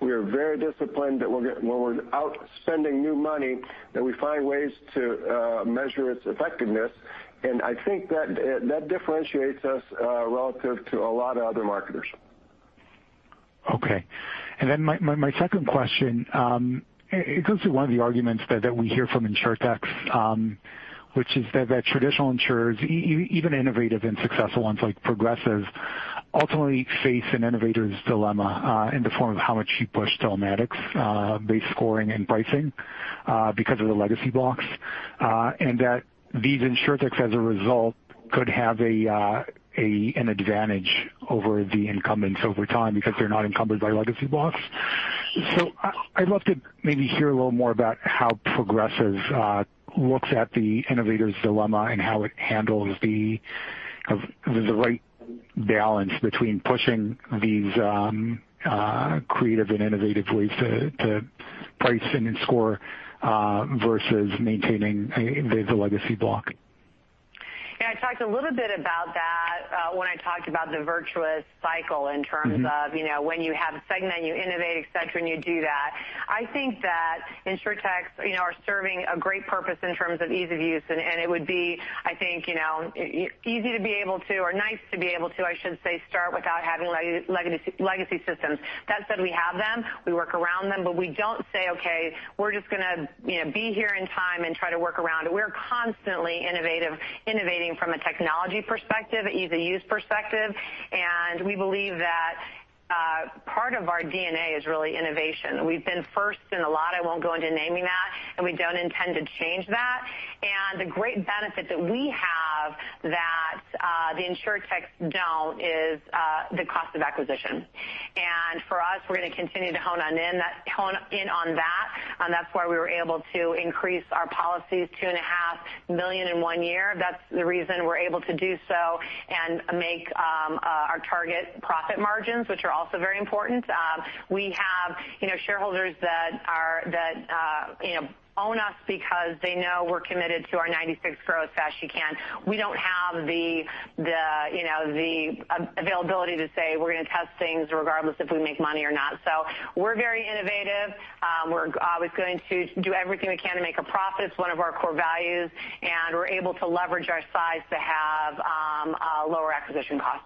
We are very disciplined, that when we're out spending new money. That we find ways, to measure its effectiveness. I think that differentiates us, relative to a lot of other marketers. Okay. My second question, it goes to one of the arguments, that we hear from Insurtechs. Which is that traditional insurers, even innovative, and successful ones like Progressive. Ultimately, face an Innovator's Dilemma in the form of, how much you push telematics-based scoring, and pricing? Because of the legacy blocks. These Insurtechs, as a result, could have an advantage. Over the incumbents over time, because they're not encumbered by legacy blocks. I'd love to maybe hear a little more about, how Progressive looks at the Innovator's Dilemma? And how it handles the right balance, between pushing these creative, and innovative ways? To price, and score versus maintaining the legacy block. Yeah, I talked a little bit about that, when I talked about the virtuous cycle. In terms of when you have a segment, you innovate, et cetera, and you do that. I think that Insurtechs are serving a great purpose, in terms of ease of use, and it would be. I think, easy to be able to, or nice to be able to. I should say, start without having legacy systems. That said, we have them, we work around them. But we don't say, "Okay, we're just going to be here in time, and try to work around it." We're constantly innovating, from a technology perspective. Ease of use perspective, and we believe that. Part of our DNA is really innovation. We've been first in a lot, I won't go into naming that. And we don't intend to change that. The great benefit that we have, that the Insurtechs don't is the cost of acquisition. For us, we're going to continue to hone in on that. And that's why we were able, to increase our policies 2.5 million in one year. That's the reason we're able to do so, and make our target profit margins. Which are also very important. We have shareholders, that own us. Because they know we're committed, to our 96% Grow as Fast as You Can. We don't have the availability, to say we're going. To test things regardless, if we make money or not. We're very innovative. We're always going to do everything we can to make a profit. It's one of our core values, and we're able to leverage our size, to have lower acquisition costs.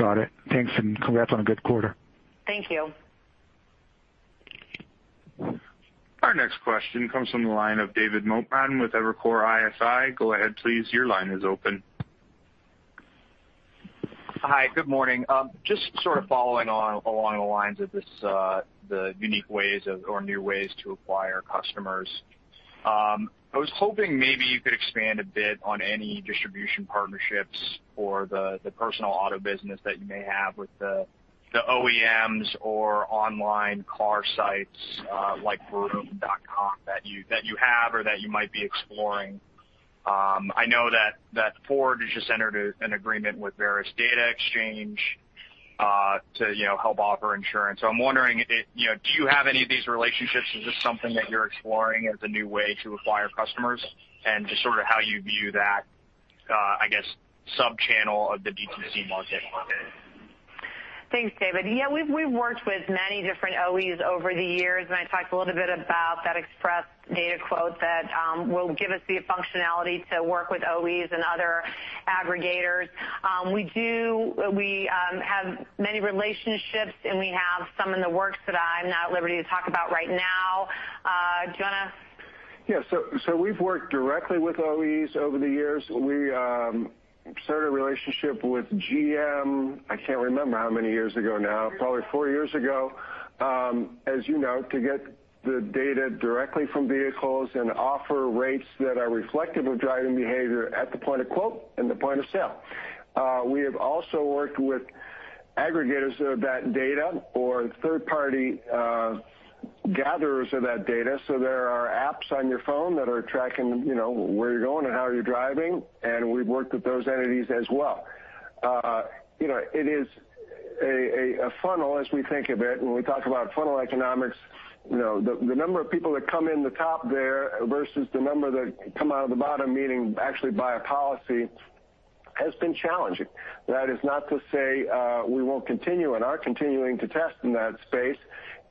Got it. Thanks, and congrats on a good quarter. Thank you. Our next question comes from, the line of David Motemaden with Evercore ISI. Hi, good morning. Just sort of following on along the lines of the unique ways of, or new ways to acquire customers. I was hoping maybe you could expand a bit, on any distribution partnerships. For the personal auto business, that you may have with the OEMs. Or online car sites like www.auto.com, that you have or that you might be exploring. I know that Ford has just entered an agreement, with Verisk Data Exchange to help offer insurance. I'm wondering, do you have any of these relationships? Is this something that you're exploring, as a new way to acquire customers? And just sort of how you view that, I guess, sub-channel of the D2C market? Thanks, David. Yeah, we've worked, with many different OEs over the years. And I talked a little bit, about that express data quote. That will give us the functionality to work with OEs, and other aggregators. We have many relationships, and we have some in the works. That I'm not at liberty, to talk about right now. John? Yeah. We've worked directly, with OEs over the years. We started a relationship with GM, I can't remember how many years ago now. Probably four years ago, as you know. To get the data directly from vehicles, and offer rates that are reflective of driving behavior. At the point of quote, and the point of sale. We have also worked with aggregators of that data, or third-party gatherers of that data. There are apps on your phone, that are tracking. Where you're going, and how you're driving? And we've worked, with those entities as well. It is a funnel as we think of it, when we talk about funnel economics. The number of people that come in the top there, versus the number that come out of the bottom. Meaning actually buy a policy, has been challenging. That is not to say we won't continue, and are continuing to test in that space.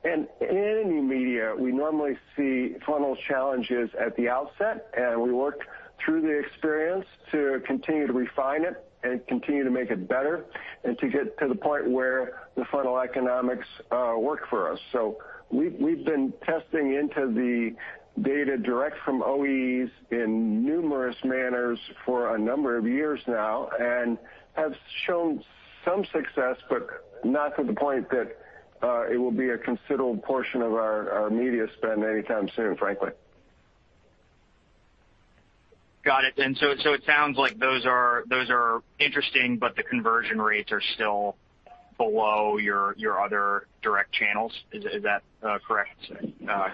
In media, we normally see funnel challenges at the outset. And we work through the experience, to continue to refine it. And continue to make it better, and to get to the point. Where the funnel economics work for us. We've been testing into the data direct, from OEs in numerous manners. For a number of years now, and have shown some success. But not to the point that, it will be a considerable portion of our media spend anytime soon, frankly. Got it. It sounds like those are interesting, but the conversion rates are still, below your other direct channels. Is that a correct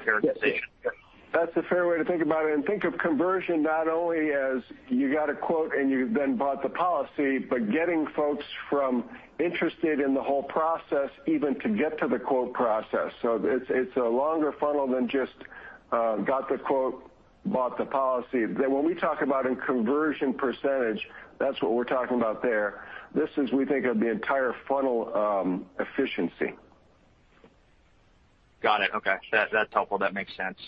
characterization? That's a fair way, to think about it. Think of conversion not only, as you got a quote, and you then bought the policy. But getting folks, from interested in the whole process. Even to get to the quote process. It's a longer funnel than just got the quote, bought the policy. When we talk about in conversion percentage, that's what we're talking about there. This is we think of the entire funnel efficiency. Got it, okay. That's helpful. That makes sense.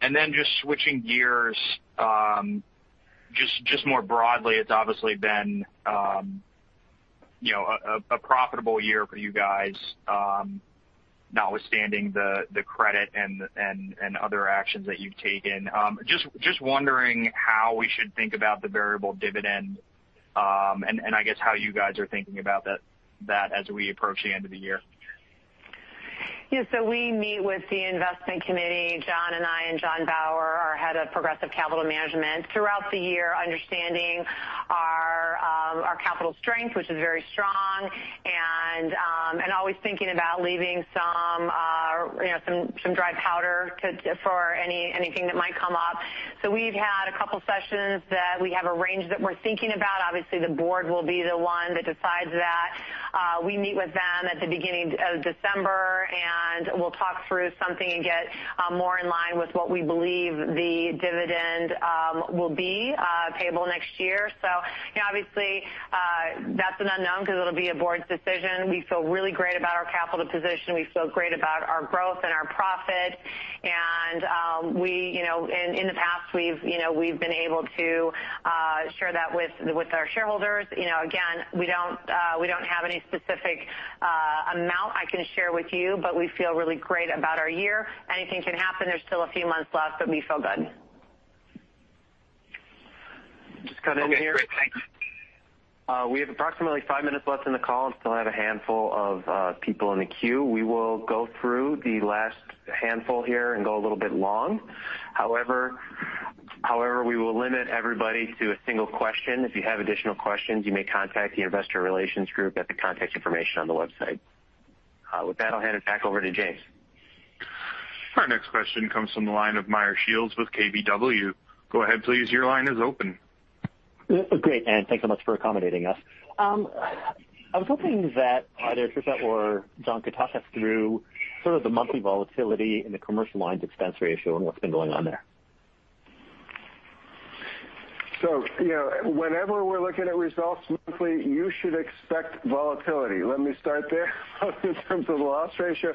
Just switching gears, just more broadly. It's obviously been a profitable year for you guys. Notwithstanding the credit, and other actions that you've taken. Just wondering, how we should think about the variable dividend? And I guess how you guys are thinking about, that as we approach the end of the year? Yeah. We meet with the Investment Committee, John and I, and Jon Bauer, our Head of Progressive Capital Management. Throughout the year, understanding our capital strength. Which is very strong, and always thinking about, leaving some dry powder for anything that might come up. We've had a couple sessions, that we have a range. That we're thinking about. Obviously, the Board will be the one that decides that. We meet with them at the beginning of December, and we'll talk through something. And get more in line with, what we believe the dividend, will be payable next year. Obviously, that's an unknown, because it'll be a Board's decision. We feel really great about our capital position. We feel great about our growth, and our profit. In the past, we've been able to share that with our shareholders. We don't have any specific amount, I can share with you. But we feel really great about our year. Anything can happen. There's still a few months left, but we feel good. Just cut in here. Okay, great. Thanks. We have approximately five minutes left in the call, and still have a handful of people in the queue. We will go through the last handful here, and go a little bit long. However, we will limit everybody to a single question. If you have additional questions, you may contact the Investor Relations Group, at the contact information on the website. With that, I'll hand it back over to James. Our next question comes from, the line of Meyer Shields with KBW. Go ahead, please. Your line is open. Great. Thanks so much for accommodating us. I was hoping that either Tricia, or John could talk us through. Sort of the monthly volatility in the Commercial Lines expense ratio, and what's been going on there? Whenever we're looking at results monthly, you should expect volatility. Let me start there in terms of loss ratio,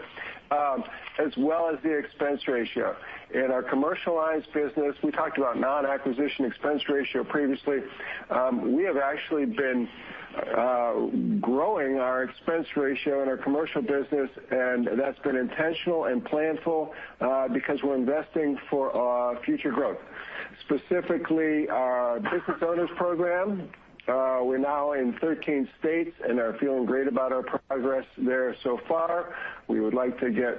as well as the expense ratio. In our Commercial Lines business, we talked about non-acquisition expense ratio previously. We have actually been growing our expense ratio, in our commercial business. And that's been intentional, and planful. Because we're investing for future growth. Specifically, our Business Owners Program, we're now in 13 states, and are feeling great about our progress there so far. We would like to get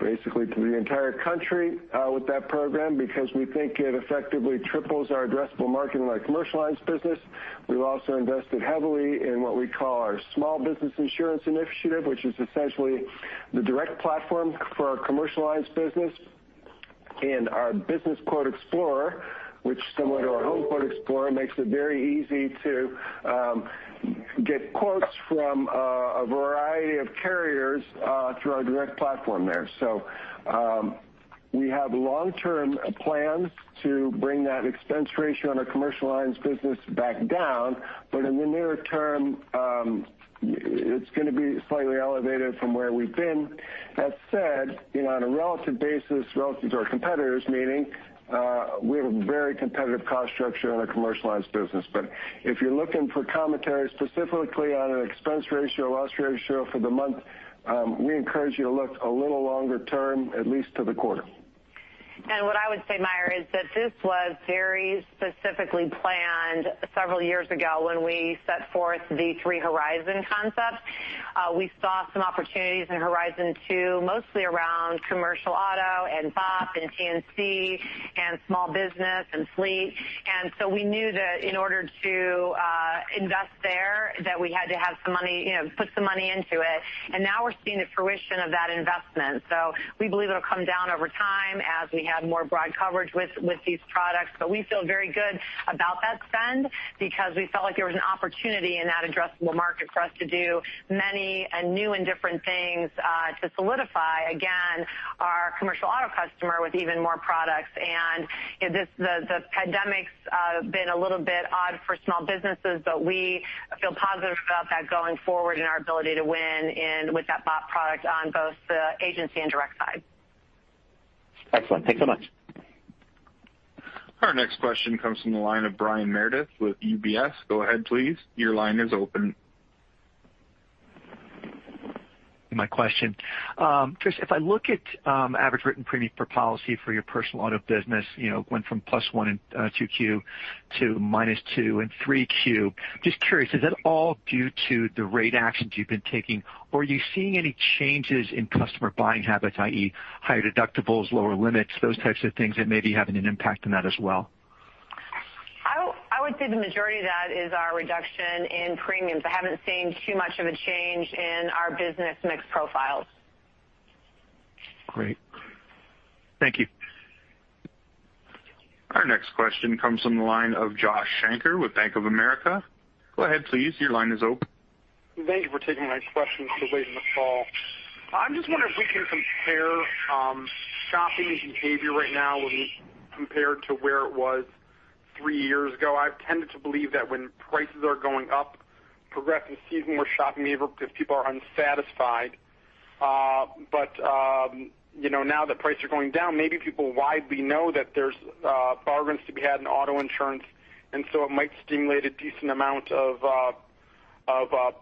basically, to the entire country with that program. Because we think it effectively triples, our addressable market in our Commercial Lines business. We've also invested heavily in what we call, our Small Business Insurance Initiative. Which is essentially the direct platform, for our Commercial Lines business. Our BusinessQuote Explorer, which is similar to our HomeQuote Explorer. Makes it very easy, to get quotes from a variety of carriers. Through our direct platform there. We have long-term plans to bring that expense ratio, on our Commercial Lines business back down. But in the near term, it's going to be slightly elevated from where we've been. That said, on a relative basis, relative to our competitors. Meaning, we have a very competitive cost structure, in our Commercial Lines business. If you're looking for commentary specifically, on an expense ratio, loss ratio for the month. We encourage you to look a little longer term, at least to the quarter. What I would say, Meyer, is that this was very specifically planned. Several years ago, when we set forth the Three Horizon concept. We saw some opportunities in Horizon Two. Mostly around Commercial Auto, and BOP, and T&C, and small business, and fleet. We knew that in order to invest there, that we had to put some money into it. Now we're seeing the fruition of that investment. We believe it'll come down over time, as we have more broad coverage with these products. We feel very good about that spend, because we felt like there was an opportunity. In that addressable market for us to do many, and new and different things to solidify. Again, our commercial auto customer, with even more products. The pandemic's been a little bit odd for small businesses. But we feel positive about, that going forward in our ability. To win with that BOP product on both the agency, and direct side. Excellent, thanks so much. Our next question comes from, the line of Brian Meredith with UBS. Go ahead, please. Your line is open. My question. Tricia, if I look at average written premium per policy, for your personal auto business. It went from +1% in Q2 to -2% in Q3. Just curious, is that all due to the rate actions you've been taking? Or are you seeing any changes in customer buying habits, i.e., higher deductibles, lower limits? Those types of things, that may be having an impact on that as well? I would say the majority of that, is our reduction in premiums. I haven't seen too much of a change, in our business mix profiles. Great, thank you. Our next question comes from, the line of Josh Shanker with Bank of America. Go ahead, please. Your line is open. Thank you for taking my question so late in the call. I'm just wondering, if we can compare shopping behavior right now. When we compared to, where it was three years ago? I've tended to believe that, when prices are going up? Progressive sees more shopping behavior, because people are unsatisfied. Now that prices are going down, maybe people widely know. That there's bargains to be had in auto insurance. It might stimulate a decent amount of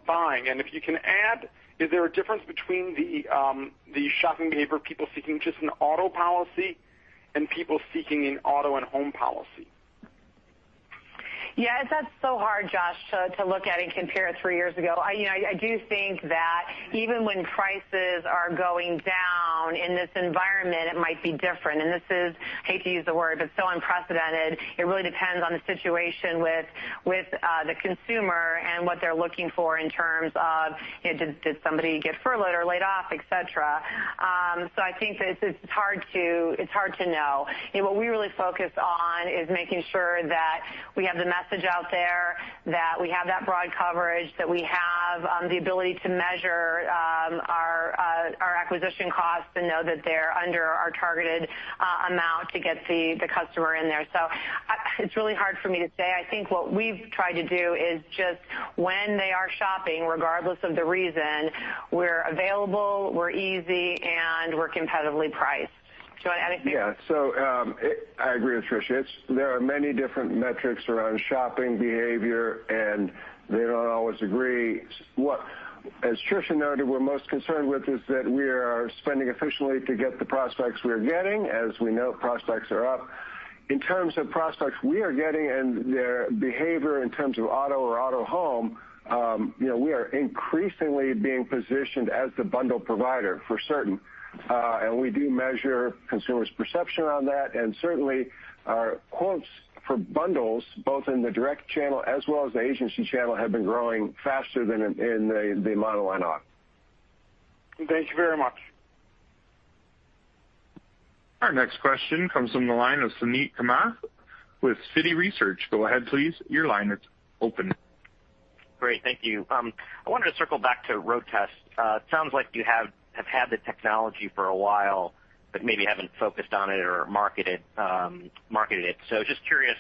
buying. If you can add, is there a difference between the shopping behavior of people seeking just an auto policy? And people seeking an auto, and home policy? Yeah. That's so hard, Josh, to look at and compare it three years ago. I do think that even, when prices are going down in this environment? It might be different. This is, hate to use the word, but so unprecedented. It really depends on the situation with the consumer. And what they're looking for in terms of, did somebody get furloughed or laid off, et cetera? I think it's hard to know. What we really focus on is making sure, that we have the message out there. That we have that broad coverage, that we have the ability to measure our acquisition costs. And know that they're under, our targeted amount to get the customer in there. It's really hard for me to say. I think what we've tried to do, is just when they are shopping. Regardless of the reason, we're available, we're easy, and we're competitively priced. Do you want to add anything? I agree with Tricia. There are many different metrics around shopping behavior, and they don't always agree. As Tricia noted, we're most concerned with is that we are spending efficiently. To get the prospects we are getting. As we know, prospects are up. In terms of prospects we are getting, and their behavior in terms of auto or auto home. We are increasingly being positioned, as the bundle provider for certain. We do measure consumers' perception on that. And certainly our quotes for bundles, both in the direct channel. As well as the agency channel, have been growing faster than in the monoline auto. Thank you very much. Our next question comes from, the line of Suneet Varma with Citi Research. Great. Thank you. I wanted to circle back to Road Test. It sounds like you have had the technology for a while, but maybe haven't focused on it or marketed it. Just curious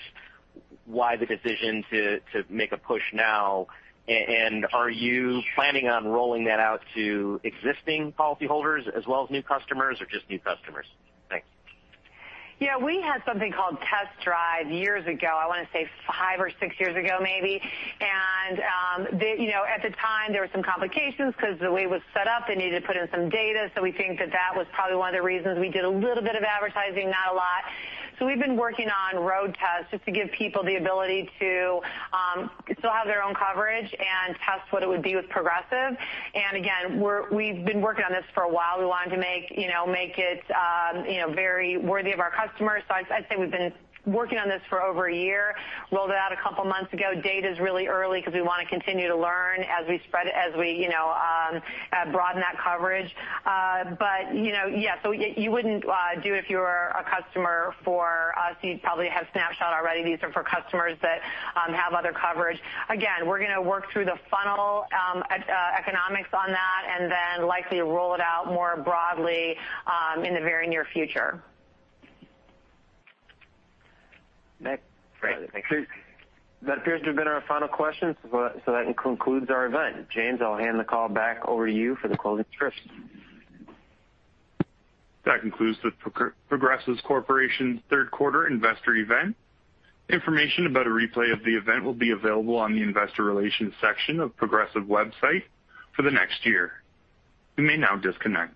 why the decision, to make a push now? And are you planning on rolling that out, to existing policyholders, as well as new customers or just new customers? Thanks. Yeah, we had something called Test Drive years ago. I want to say five or six years ago maybe. At the time, there were some complications, because the way it was set up, they needed to put in some data. We think that that was probably one of the reasons, we did a little bit of advertising, not a lot. We've been working on Road Test just to give people the ability, to still have their own coverage. And test what it would be with Progressive. Again, we've been working on this for a while. We wanted to make it, very worthy of our customers. I'd say we've been working on this for over a year, rolled it out a couple of months ago. Data's really early because we want to continue, to learn as we broaden that coverage. Yeah, you wouldn't do it if you were a customer for us, you'd probably have Snapshot already. These are for customers that, have other coverage. Again, we're going to work through the funnel economics on that. And then likely roll it out more broadly, in the very near future. Great, thank you. That appears to have been our final question, so that concludes our event. James, I'll hand the call back over to you for the closing script. That concludes The Progressive Corporation's Third Quarter Investor Event. Information about a replay of the event, will be available on the Investor Relations section, of Progressive website for the next year. You may now disconnect.